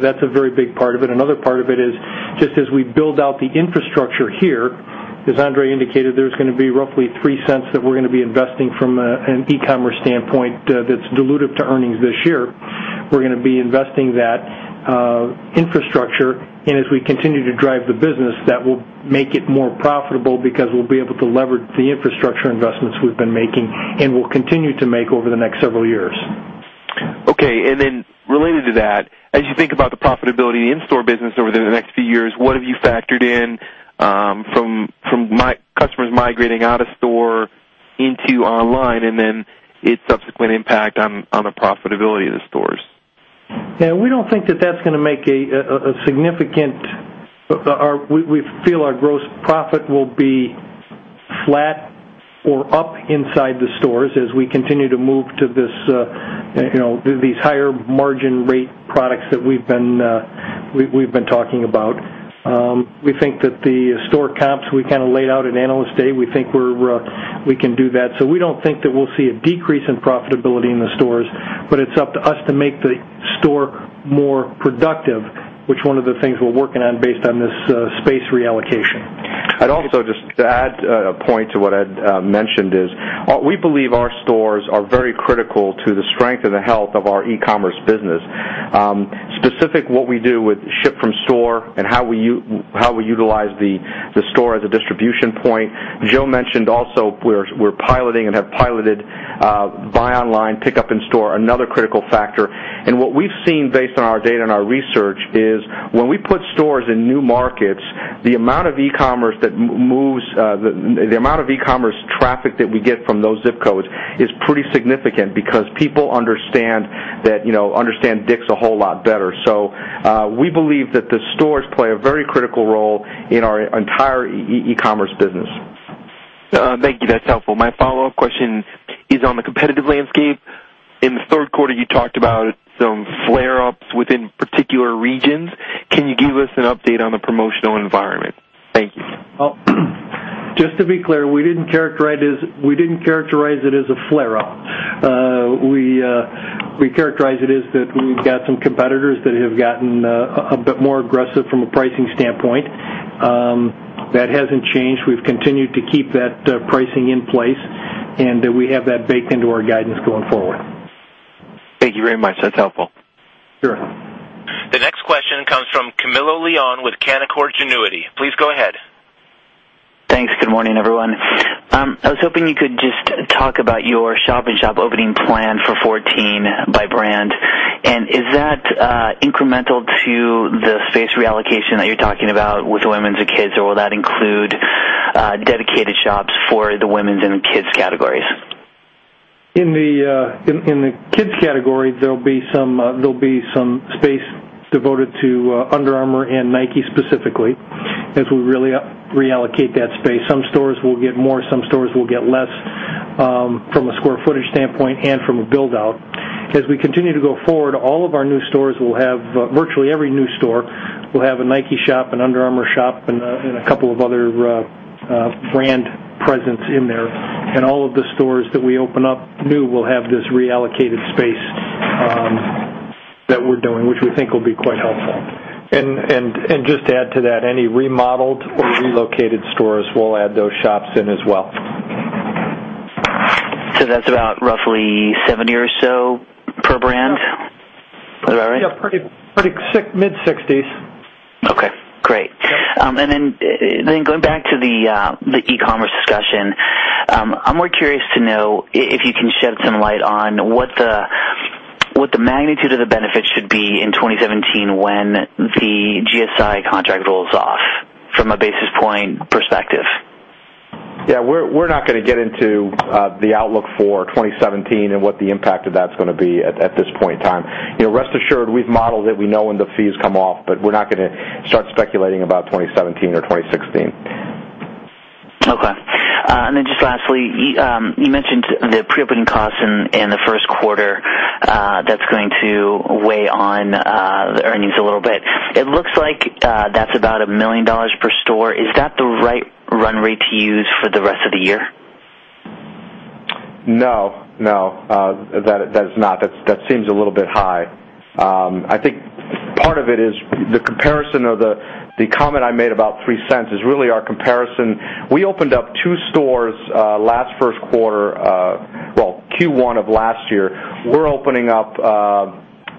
That's a very big part of it. Another part of it is just as we build out the infrastructure here, as André indicated, there's going to be roughly $0.03 that we're going to be investing from an e-commerce standpoint that's dilutive to earnings this year. We're going to be investing that infrastructure. As we continue to drive the business, that will make it more profitable because we'll be able to leverage the infrastructure investments we've been making and will continue to make over the next several years. Okay. Related to that, as you think about the profitability of the in-store business over the next few years, what have you factored in from customers migrating out of store into online, and its subsequent impact on the profitability of the stores? We feel our gross profit will be flat or up inside the stores as we continue to move to these higher margin rate products that we've been talking about. We think that the store comps we laid out at Analyst Day, we think we can do that. We don't think that we'll see a decrease in profitability in the stores, but it's up to us to make the store more productive, which one of the things we're working on based on this space reallocation. I'd also just add a point to what Ed mentioned is, we believe our stores are very critical to the strength and the health of our e-commerce business, specific what we do with ship from store and how we utilize the store as a distribution point. Joe mentioned also we're piloting and have piloted buy online, pick up in store, another critical factor. What we've seen based on our data and our research is when we put stores in new markets, the amount of e-commerce traffic that we get from those zip codes is pretty significant because people understand DICK'S a whole lot better. We believe that the stores play a very critical role in our entire e-commerce business. Thank you. That's helpful. My follow-up question is on the competitive landscape. In the third quarter, you talked about some flare-ups within particular regions. Can you give us an update on the promotional environment? Thank you. Well, just to be clear, we didn't characterize it as a flare-up. We characterize it as that we've got some competitors that have gotten a bit more aggressive from a pricing standpoint. That hasn't changed. We've continued to keep that pricing in place, and we have that baked into our guidance going forward. Thank you very much. That's helpful. Sure. The next question comes from Camilo Lyon with Canaccord Genuity. Please go ahead. Thanks. Good morning, everyone. I was hoping you could just talk about your shop-in-shop opening plan for 2014 by brand. Is that incremental to the space reallocation that you're talking about with women's and kids, or will that include dedicated shops for the women's and kids categories? In the kids category, there'll be some space devoted to Under Armour and Nike specifically, as we reallocate that space. Some stores will get more, some stores will get less, from a square footage standpoint and from a build-out. As we continue to go forward, virtually every new store will have a Nike shop, an Under Armour shop, and a couple of other brand presence in there. All of the stores that we open up new will have this reallocated space that we're doing, which we think will be quite helpful. Just to add to that, any remodeled or relocated stores, we'll add those shops in as well. That's about roughly 70 or so per brand? Is that right? Yeah, mid-60s. Okay, great. Yeah. Going back to the e-commerce discussion, I'm more curious to know if you can shed some light on what the magnitude of the benefit should be in 2017 when the GSI contract rolls off, from a basis point perspective. Yeah. We're not going to get into the outlook for 2017 and what the impact of that's going to be at this point in time. Rest assured, we've modeled it. We know when the fees come off, but we're not going to start speculating about 2017 or 2016. Okay. Just lastly, you mentioned the pre-opening costs in the first quarter. That's going to weigh on the earnings a little bit. It looks like that's about $1 million per store. Is that the right run rate to use for the rest of the year? No. That is not. That seems a little bit high. I think part of it is the comparison or the comment I made about $0.03 is really our comparison. We opened up two stores Q1 of last year. We're opening up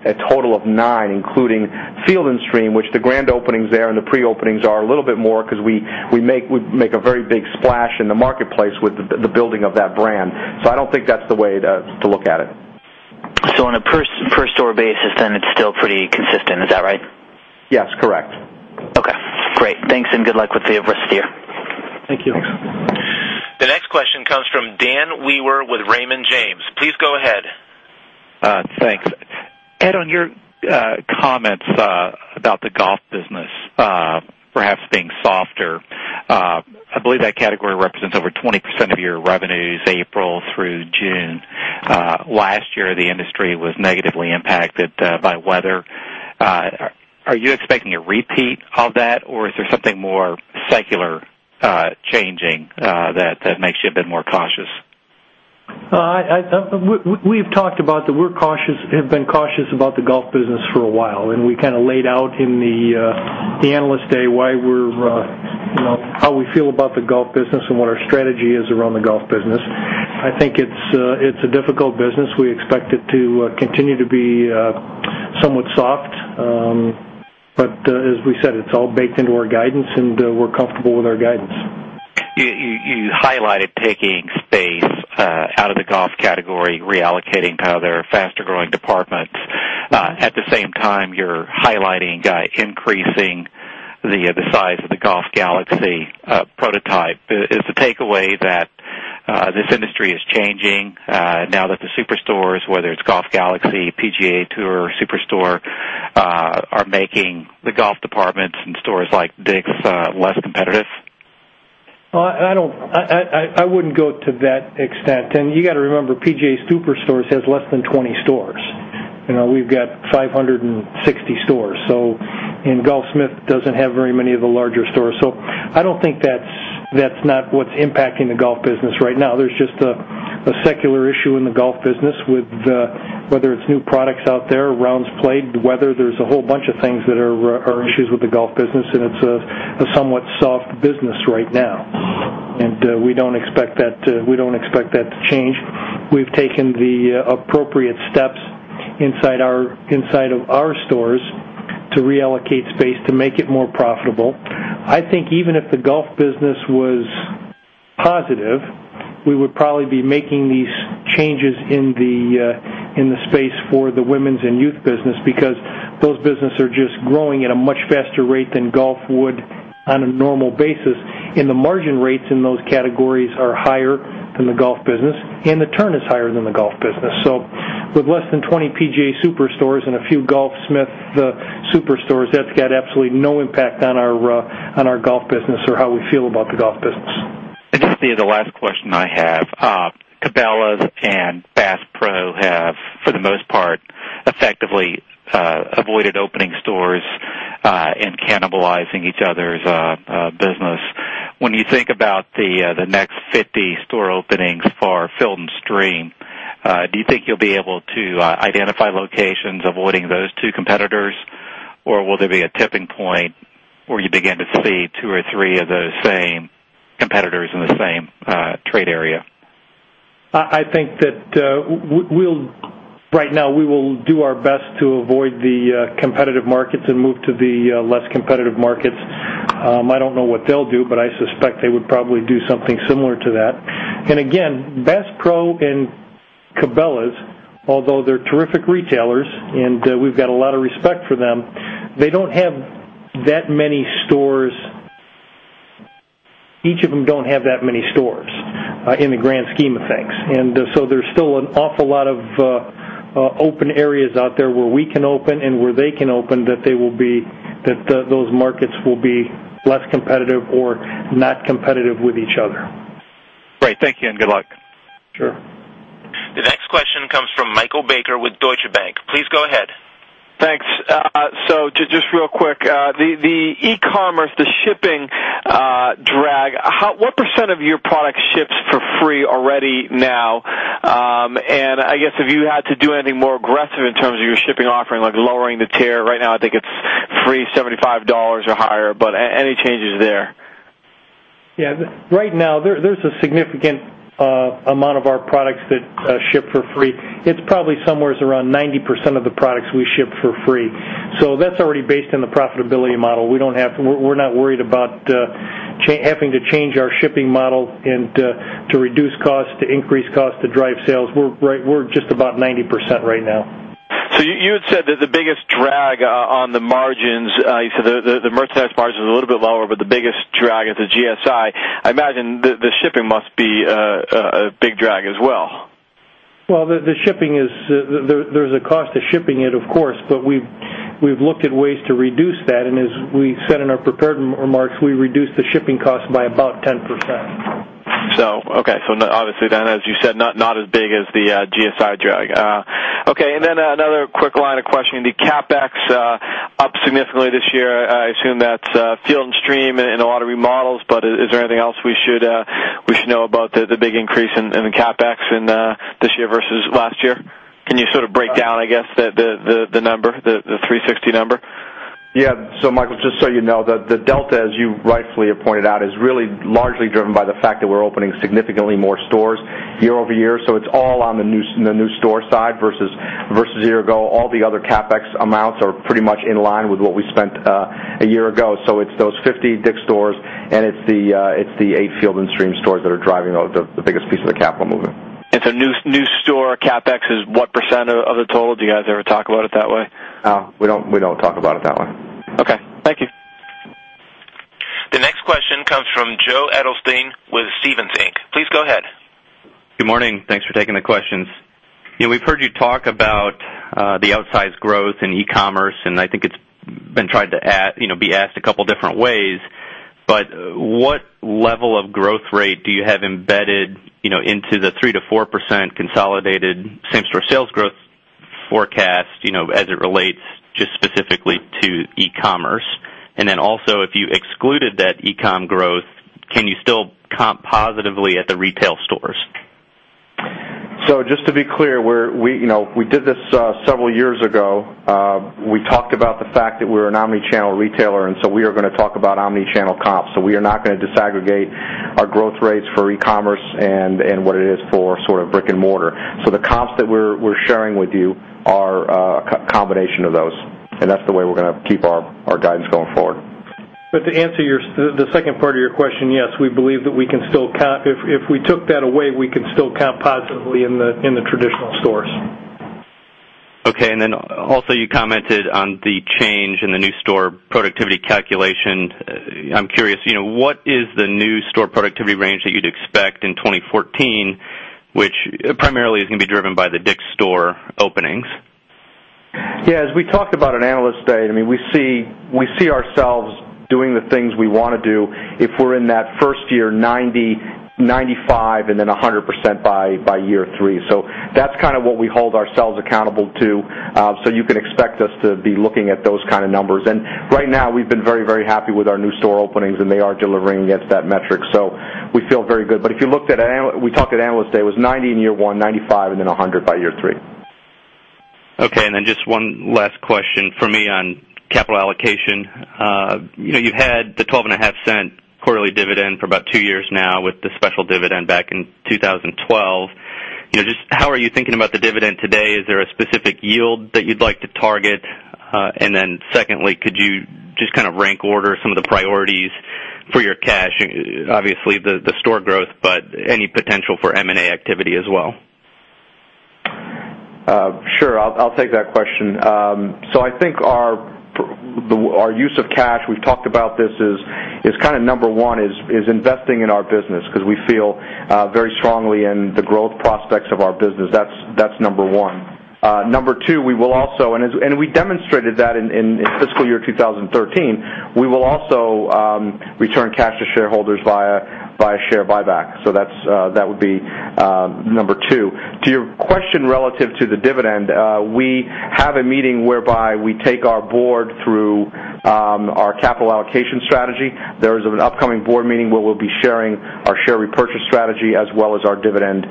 a total of nine, including Field & Stream, which the grand openings there and the pre-openings are a little bit more because we make a very big splash in the marketplace with the building of that brand. I don't think that's the way to look at it. On a per store basis, then it's still pretty consistent. Is that right? Yes, correct. Okay, great. Thanks and good luck with the rest of the year. Thank you. Thanks. The next question comes from Dan Wewer with Raymond James. Please go ahead. Thanks. Ed, on your comments about the golf business perhaps being softer, I believe that category represents over 20% of your revenues April through June. Last year, the industry was negatively impacted by weather. Are you expecting a repeat of that, or is there something more secular changing that makes you a bit more cautious? We've talked about that we have been cautious about the golf business for a while. We kind of laid out in the Analyst Day how we feel about the golf business and what our strategy is around the golf business. I think it's a difficult business. We expect it to continue to be somewhat soft. As we said, it's all baked into our guidance, and we're comfortable with our guidance. You highlighted taking space out of the golf category, reallocating to other faster-growing departments. At the same time, you're highlighting increasing the size of the Golf Galaxy prototype. Is the takeaway that this industry is changing now that the superstores, whether it's Golf Galaxy, PGA TOUR Superstore, are making the golf departments in stores like DICK'S less competitive? I wouldn't go to that extent. You got to remember, PGA TOUR Superstore has less than 20 stores. We've got 560 stores. Golfsmith doesn't have very many of the larger stores. I don't think that's not what's impacting the golf business right now. There's just a secular issue in the golf business with whether it's new products out there, rounds played, weather. There's a whole bunch of things that are issues with the golf business, and it's a somewhat soft business right now. We don't expect that to change. We've taken the appropriate steps inside of our stores to reallocate space to make it more profitable. I think even if the golf business was positive, we would probably be making these changes in the space for the women's and youth business, because those business are just growing at a much faster rate than golf would on a normal basis. The margin rates in those categories are higher than the golf business, and the turn is higher than the golf business. With less than 20 PGA TOUR Superstores and a few Golfsmith superstores, that's got absolutely no impact on our golf business or how we feel about the golf business. Just be the last question I have. Cabela's and Bass Pro have, for the most part, effectively avoided opening stores and cannibalizing each other's business. When you think about the next 50 store openings for Field & Stream, do you think you'll be able to identify locations avoiding those two competitors? Or will there be a tipping point where you begin to see two or three of the same competitors in the same trade area? I think that right now, we will do our best to avoid the competitive markets and move to the less competitive markets. I don't know what they'll do, but I suspect they would probably do something similar to that. Again, Bass Pro and Cabela's, although they're terrific retailers and we've got a lot of respect for them, each of them don't have that many stores in the grand scheme of things. So there's still an awful lot of open areas out there where we can open and where they can open, that those markets will be less competitive or not competitive with each other. Great. Thank you, and good luck. Sure. The next question comes from Michael Baker with Deutsche Bank. Please go ahead. Thanks. Just real quick, the e-commerce, the shipping drag, what % of your product ships for free already now? I guess, have you had to do anything more aggressive in terms of your shipping offering, like lowering the tier? Right now, I think it's free $75 or higher, but any changes there? Yeah. Right now, there's a significant amount of our products that ship for free. It's probably somewhere around 90% of the products we ship for free. That's already based on the profitability model. We're not worried about having to change our shipping model and to reduce cost, to increase cost to drive sales. We're at just about 90% right now. You had said that the biggest drag on the margins, you said the merchandise margin is a little bit lower, but the biggest drag is the GSI. I imagine the shipping must be a big drag as well. Well, there's a cost to shipping it, of course, but we've looked at ways to reduce that, and as we said in our prepared remarks, we reduced the shipping cost by about 10%. Okay. Obviously then, as you said, not as big as the GSI drag. Okay. Another quick line of questioning. The CapEx up significantly this year, I assume that's Field & Stream and a lot of remodels, but is there anything else we should know about the big increase in the CapEx in this year versus last year? Can you sort of break down, I guess, the number, the 360 number? Michael, just so you know, the delta, as you rightfully have pointed out, is really largely driven by the fact that we're opening significantly more stores year-over-year. It's all on the new store side versus a year ago. All the other CapEx amounts are pretty much in line with what we spent a year ago. It's those 50 DICK'S stores and it's the eight Field & Stream stores that are driving the biggest piece of the capital movement. New store CapEx is what % of the total? Do you guys ever talk about it that way? No, we don't talk about it that way. Okay. Thank you. The next question comes from Joseph Edelstein with Stephens Inc. Please go ahead. Good morning. Thanks for taking the questions. We've heard you talk about the outsized growth in e-commerce, I think it's been tried to be asked a couple different ways, what level of growth rate do you have embedded into the 3%-4% consolidated same-store sales growth forecast, as it relates just specifically to e-commerce? Also, if you excluded that e-com growth, can you still comp positively at the retail stores? Just to be clear, we did this several years ago. We talked about the fact that we're an omnichannel retailer, we are going to talk about omnichannel comps. We are not going to disaggregate our growth rates for e-commerce and what it is for sort of brick and mortar. The comps that we're sharing with you are a combination of those, that's the way we're going to keep our guidance going forward. To answer the second part of your question, yes, we believe that if we took that away, we can still comp positively in the traditional stores. Okay. Then also you commented on the change in the new store productivity calculation. I'm curious, what is the new store productivity range that you'd expect in 2014, which primarily is going to be driven by the DICK'S store openings? Yeah. As we talked about on Analyst Day, we see ourselves doing the things we want to do if we're in that first year, 90%, 95%, and then 100% by year three. That's kind of what we hold ourselves accountable to. You can expect us to be looking at those kind of numbers. Right now, we've been very happy with our new store openings, and they are delivering against that metric. We feel very good. If you looked at, we talked at Analyst Day, it was 90 in year one, 95, and then 100 by year three. Okay, then just one last question for me on capital allocation. You had the $0.125 quarterly dividend for about two years now with the special dividend back in 2012. Just how are you thinking about the dividend today? Is there a specific yield that you'd like to target? Then secondly, could you just kind of rank order some of the priorities for your cash? Obviously, the store growth, but any potential for M&A activity as well. Sure. I'll take that question. I think our use of cash, we've talked about this, is kind of number one, is investing in our business because we feel very strongly in the growth prospects of our business. That's number one. Number two, we demonstrated that in fiscal year 2013, we will also return cash to shareholders via share buyback. That would be number two. To your question relative to the dividend, we have a meeting whereby we take our board through our capital allocation strategy. There is an upcoming board meeting where we'll be sharing our share repurchase strategy, as well as our dividend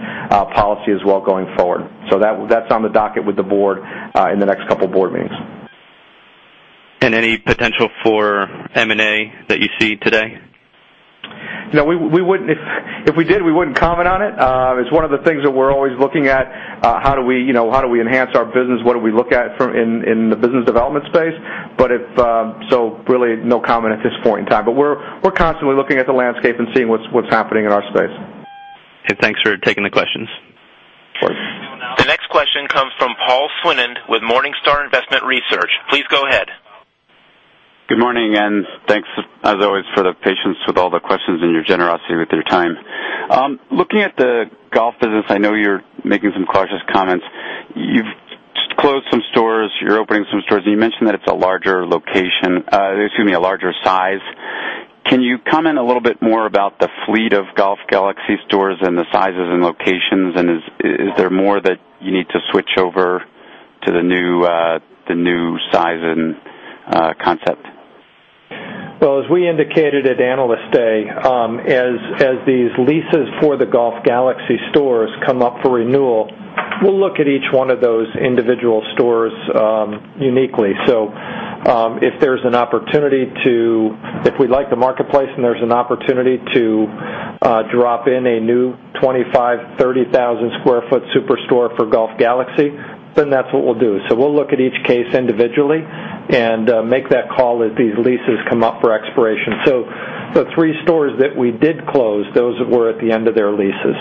policy as well going forward. That's on the docket with the board in the next couple board meetings. Any potential for M&A that you see today? If we did, we wouldn't comment on it. It's one of the things that we're always looking at. How do we enhance our business? What do we look at in the business development space? Really, no comment at this point in time, but we're constantly looking at the landscape and seeing what's happening in our space. Okay, thanks for taking the questions. Of course. The next question comes from Paul Swinand with Morningstar Investment Research. Please go ahead. Good morning. Thanks, as always, for the patience with all the questions and your generosity with your time. Looking at the golf business, I know you're making some cautious comments. You've closed some stores, you're opening some stores, and you mentioned that it's a larger size. Can you comment a little bit more about the fleet of Golf Galaxy stores and the sizes and locations, and is there more that you need to switch over to the new size and concept? Well, as we indicated at Analyst Day, as these leases for the Golf Galaxy stores come up for renewal, we'll look at each one of those individual stores uniquely. If we like the marketplace and there's an opportunity to drop in a new 25,000, 30,000 square foot superstore for Golf Galaxy, then that's what we'll do. We'll look at each case individually and make that call as these leases come up for expiration. The three stores that we did close, those were at the end of their leases.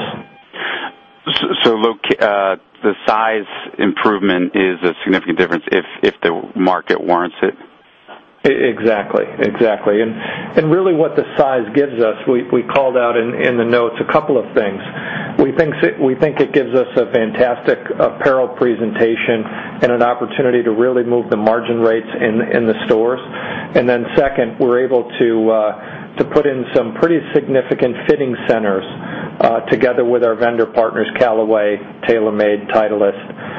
The size improvement is a significant difference if the market warrants it. Really what the size gives us, we called out in the notes, a couple of things. We think it gives us a fantastic apparel presentation and an opportunity to really move the margin rates in the stores. Then second, we're able to put in some pretty significant fitting centers together with our vendor partners, Callaway, TaylorMade, Titleist.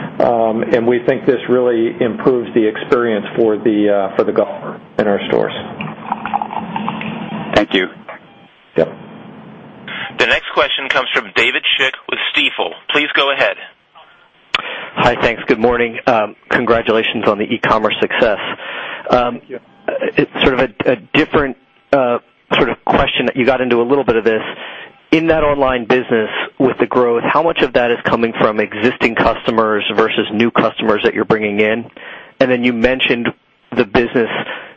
We think this really improves the experience for the golfer in our stores. Thank you. Yep. The next question comes from David Schick with Stifel. Please go ahead. Hi, thanks. Good morning. Congratulations on the e-commerce success. Thank you. Sort of a different question that you got into a little bit of this. In that online business with the growth, how much of that is coming from existing customers versus new customers that you're bringing in? You mentioned the business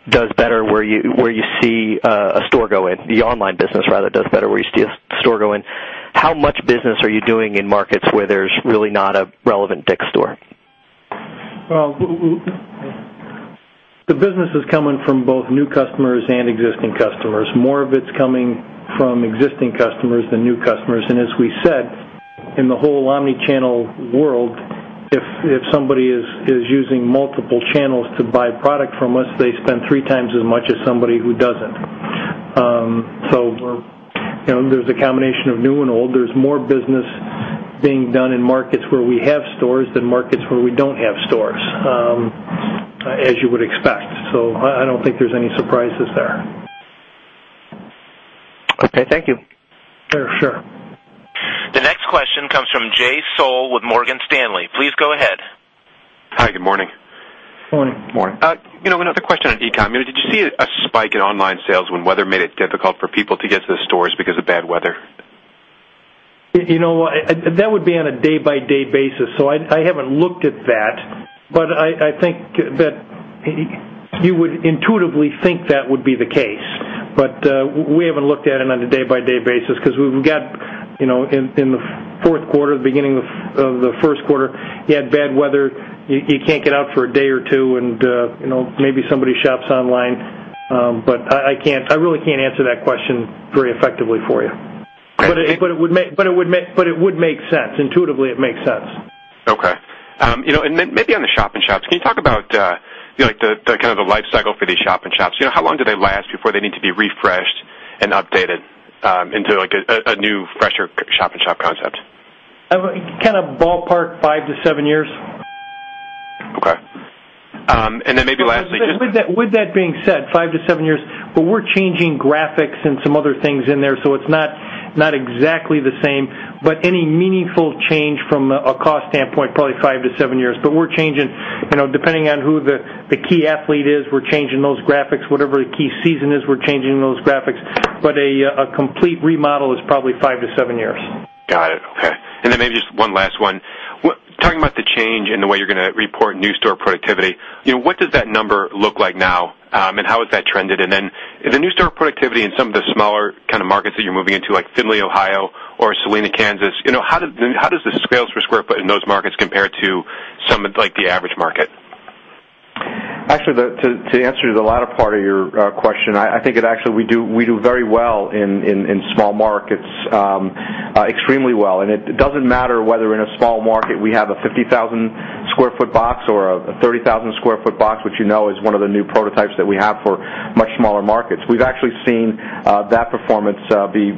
does better where you see a store go in, the online business rather, does better where you see a store go in. How much business are you doing in markets where there's really not a relevant DICK'S store? The business is coming from both new customers and existing customers. More of it's coming from existing customers than new customers. As we said, in the whole omnichannel world, if somebody is using multiple channels to buy product from us, they spend three times as much as somebody who doesn't. There's a combination of new and old. There's more business being done in markets where we have stores than markets where we don't have stores, as you would expect. I don't think there's any surprises there. Okay, thank you. Sure. The next question comes from Jay Sole with Morgan Stanley. Please go ahead. Hi, good morning. Morning. Another question on e-com. Did you see a spike in online sales when weather made it difficult for people to get to the stores because of bad weather? That would be on a day-by-day basis. I haven't looked at that, I think that you would intuitively think that would be the case. We haven't looked at it on a day-by-day basis because in the fourth quarter, beginning of the first quarter, you had bad weather. You can't get out for a day or two, and maybe somebody shops online. I really can't answer that question very effectively for you. It would make sense. Intuitively, it makes sense. Okay. Then maybe on the shop-in-shops, can you talk about the kind of the life cycle for these shop-in-shops? How long do they last before they need to be refreshed and updated into a new, fresher shop-in-shop concept? Kind of ballpark five to seven years. Then maybe lastly- With that being said, five to seven years, but we're changing graphics and some other things in there, so it's not exactly the same, but any meaningful change from a cost standpoint, probably five to seven years. We're changing, depending on who the key athlete is, we're changing those graphics. Whatever the key season is, we're changing those graphics. A complete remodel is probably five to seven years. Got it. Okay. Maybe just one last one. Talking about the change in the way you're going to report new store productivity, what does that number look like now? How has that trended? The new store productivity in some of the smaller kind of markets that you're moving into, like Findlay, Ohio, or Salina, Kansas, how does the sales per square foot in those markets compare to some, like the average market? Actually, to answer the latter part of your question, I think that actually, we do very well in small markets. Extremely well. It doesn't matter whether in a small market, we have a 50,000 square foot box or a 30,000 square foot box, which you know is one of the new prototypes that we have for much smaller markets. We've actually seen that performance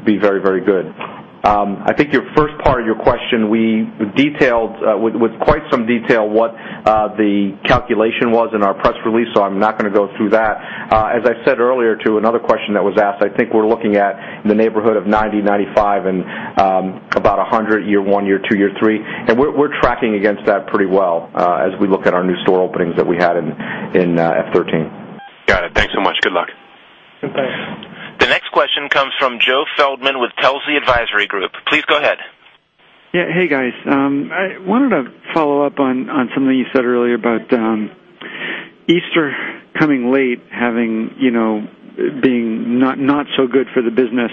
be very good. I think your first part of your question, we detailed with quite some detail what the calculation was in our press release. I'm not going to go through that. As I said earlier to another question that was asked, I think we're looking at in the neighborhood of 90, 95, and about 100, year one, year two, year three. We're tracking against that pretty well as we look at our new store openings that we had in FY 2013. Got it. Thanks so much. Good luck. Thanks. The next question comes from Joseph Feldman with Telsey Advisory Group. Please go ahead. Yeah. Hey, guys. I wanted to follow up on something you said earlier about Easter coming late, being not so good for the business.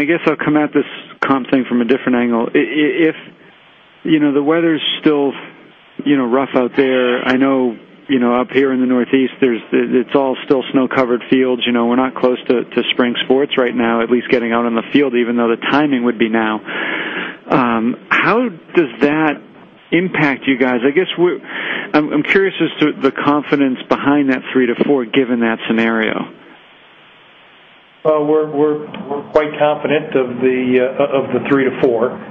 I guess I'll come at this comp thing from a different angle. If the weather's still rough out there, I know up here in the Northeast, it's all still snow-covered fields. We're not close to spring sports right now, at least getting out on the field, even though the timing would be now. How does that impact you guys? I guess I'm curious as to the confidence behind that 3%-4% given that scenario. Well, we're quite confident of the 3%-4%.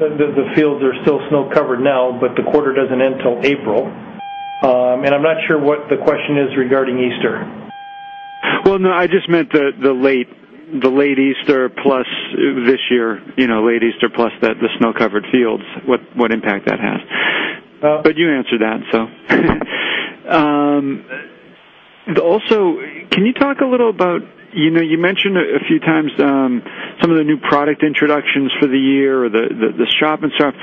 The fields are still snow covered now, but the quarter doesn't end till April. I'm not sure what the question is regarding Easter. Well, no, I just meant the late Easter plus this year, late Easter plus the snow-covered fields, what impact that has. You answered that. Also, can you talk a little about, you mentioned a few times some of the new product introductions for the year or the shop-in-shops.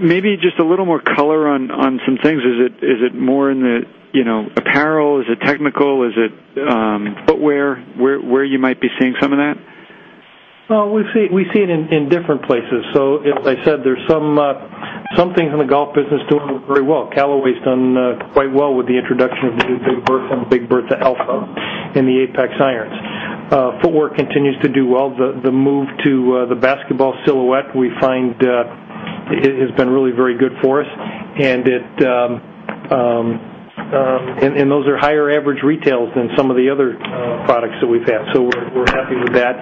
Maybe just a little more color on some things. Is it more in the apparel? Is it technical? Is it in footwear, where you might be seeing some of that? Well, we see it in different places. As I said, there's some things in the golf business doing very well. Callaway's done quite well with the introduction of the new Big Bertha, Big Bertha Alpha, and the Apex irons. Footwear continues to do well. The move to the basketball silhouette we find has been really very good for us. Those are higher average retails than some of the other products that we've had. We're happy with that.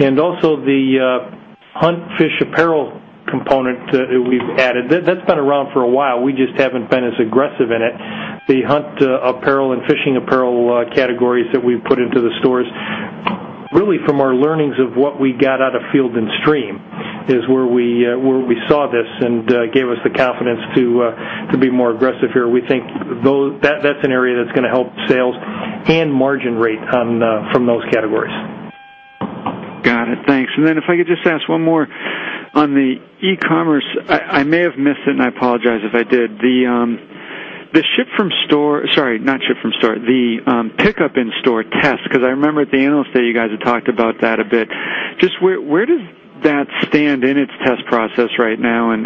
Also the hunt, fish apparel component that we've added. That's been around for a while, we just haven't been as aggressive in it. The hunt apparel and fishing apparel categories that we've put into the stores, really from our learnings of what we got out of Field & Stream is where we saw this and gave us the confidence to be more aggressive here. We think that's an area that's going to help sales and margin rate from those categories. Got it. Thanks. If I could just ask one more. On the e-commerce, I may have missed it, and I apologize if I did. The ship from store-- sorry, not ship from store. The pickup in-store test, because I remember at the analyst day, you guys had talked about that a bit. Just where does that stand in its test process right now, and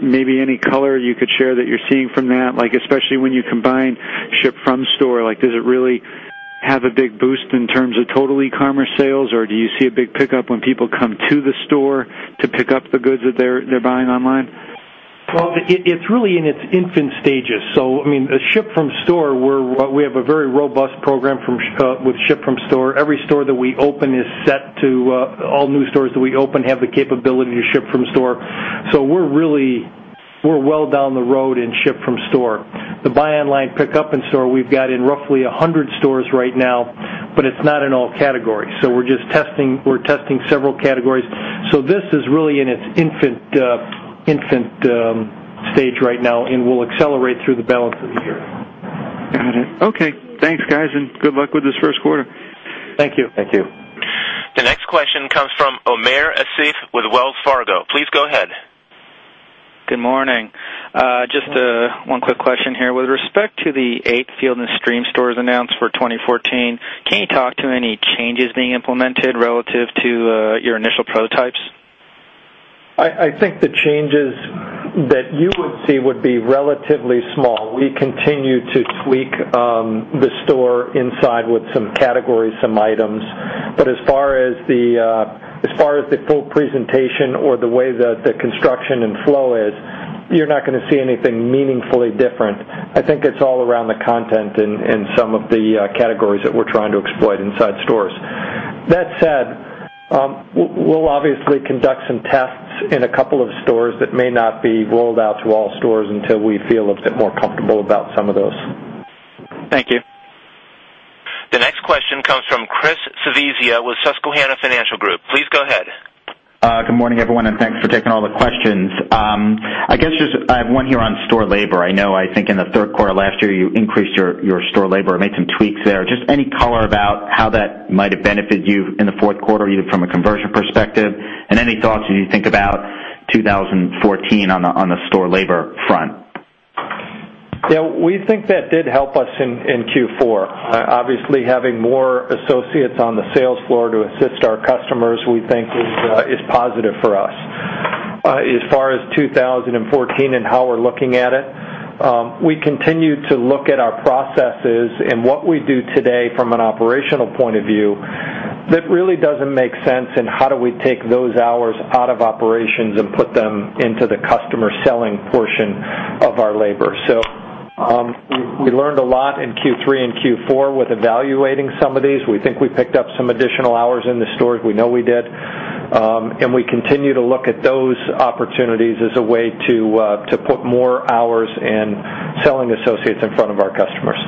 maybe any color you could share that you're seeing from that, especially when you combine ship from store, does it really have a big boost in terms of total e-commerce sales? Or do you see a big pickup when people come to the store to pick up the goods that they're buying online? Well, it's really in its infant stages. I mean, a ship from store, we have a very robust program with ship from store. All new stores that we open have the capability to ship from store. We're well down the road in ship from store. The buy online, pickup in store, we've got in roughly 100 stores right now, but it's not in all categories. We're just testing several categories. This is really in its infant stage right now and will accelerate through the balance of the year. Got it. Okay. Thanks, guys, good luck with this first quarter. Thank you. Thank you. The next question comes from Omair Asif with Wells Fargo. Please go ahead. Good morning. Just one quick question here. With respect to the eight Field & Stream stores announced for 2014, can you talk to any changes being implemented relative to your initial prototypes? I think the changes that you would see would be relatively small. We continue to tweak the store inside with some categories, some items. As far as the full presentation or the way that the construction and flow is, you're not going to see anything meaningfully different. I think it's all around the content and some of the categories that we're trying to exploit inside stores. That said. We'll obviously conduct some tests in a couple of stores that may not be rolled out to all stores until we feel a bit more comfortable about some of those. Thank you. The next question comes from Christopher Svezia with Susquehanna Financial Group. Please go ahead. Good morning, everyone. Thanks for taking all the questions. I guess just I have one here on store labor. I know, I think in the third quarter last year, you increased your store labor and made some tweaks there. Just any color about how that might have benefited you in the fourth quarter, either from a conversion perspective and any thoughts as you think about 2014 on the store labor front. Yeah, we think that did help us in Q4. Obviously, having more associates on the sales floor to assist our customers, we think is positive for us. As far as 2014 and how we're looking at it, we continue to look at our processes and what we do today from an operational point of view, that really doesn't make sense and how do we take those hours out of operations and put them into the customer selling portion of our labor. We learned a lot in Q3 and Q4 with evaluating some of these. We think we picked up some additional hours in the stores. We know we did. We continue to look at those opportunities as a way to put more hours in selling associates in front of our customers.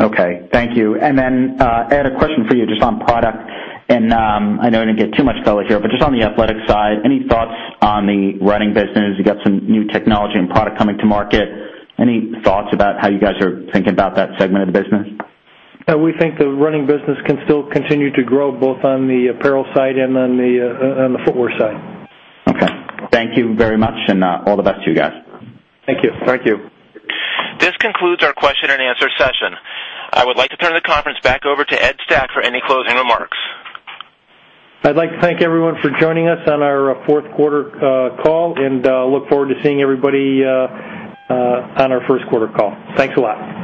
Okay. Thank you. Then, Ed, a question for you just on product. I know I didn't get too much color here, but just on the athletic side, any thoughts on the running business? You got some new technology and product coming to market. Any thoughts about how you guys are thinking about that segment of the business? We think the running business can still continue to grow both on the apparel side and on the footwear side. Okay. Thank you very much, and all the best to you guys. Thank you. This concludes our question and answer session. I would like to turn the conference back over to Ed Stack for any closing remarks. I'd like to thank everyone for joining us on our fourth quarter call, and look forward to seeing everybody on our first quarter call. Thanks a lot.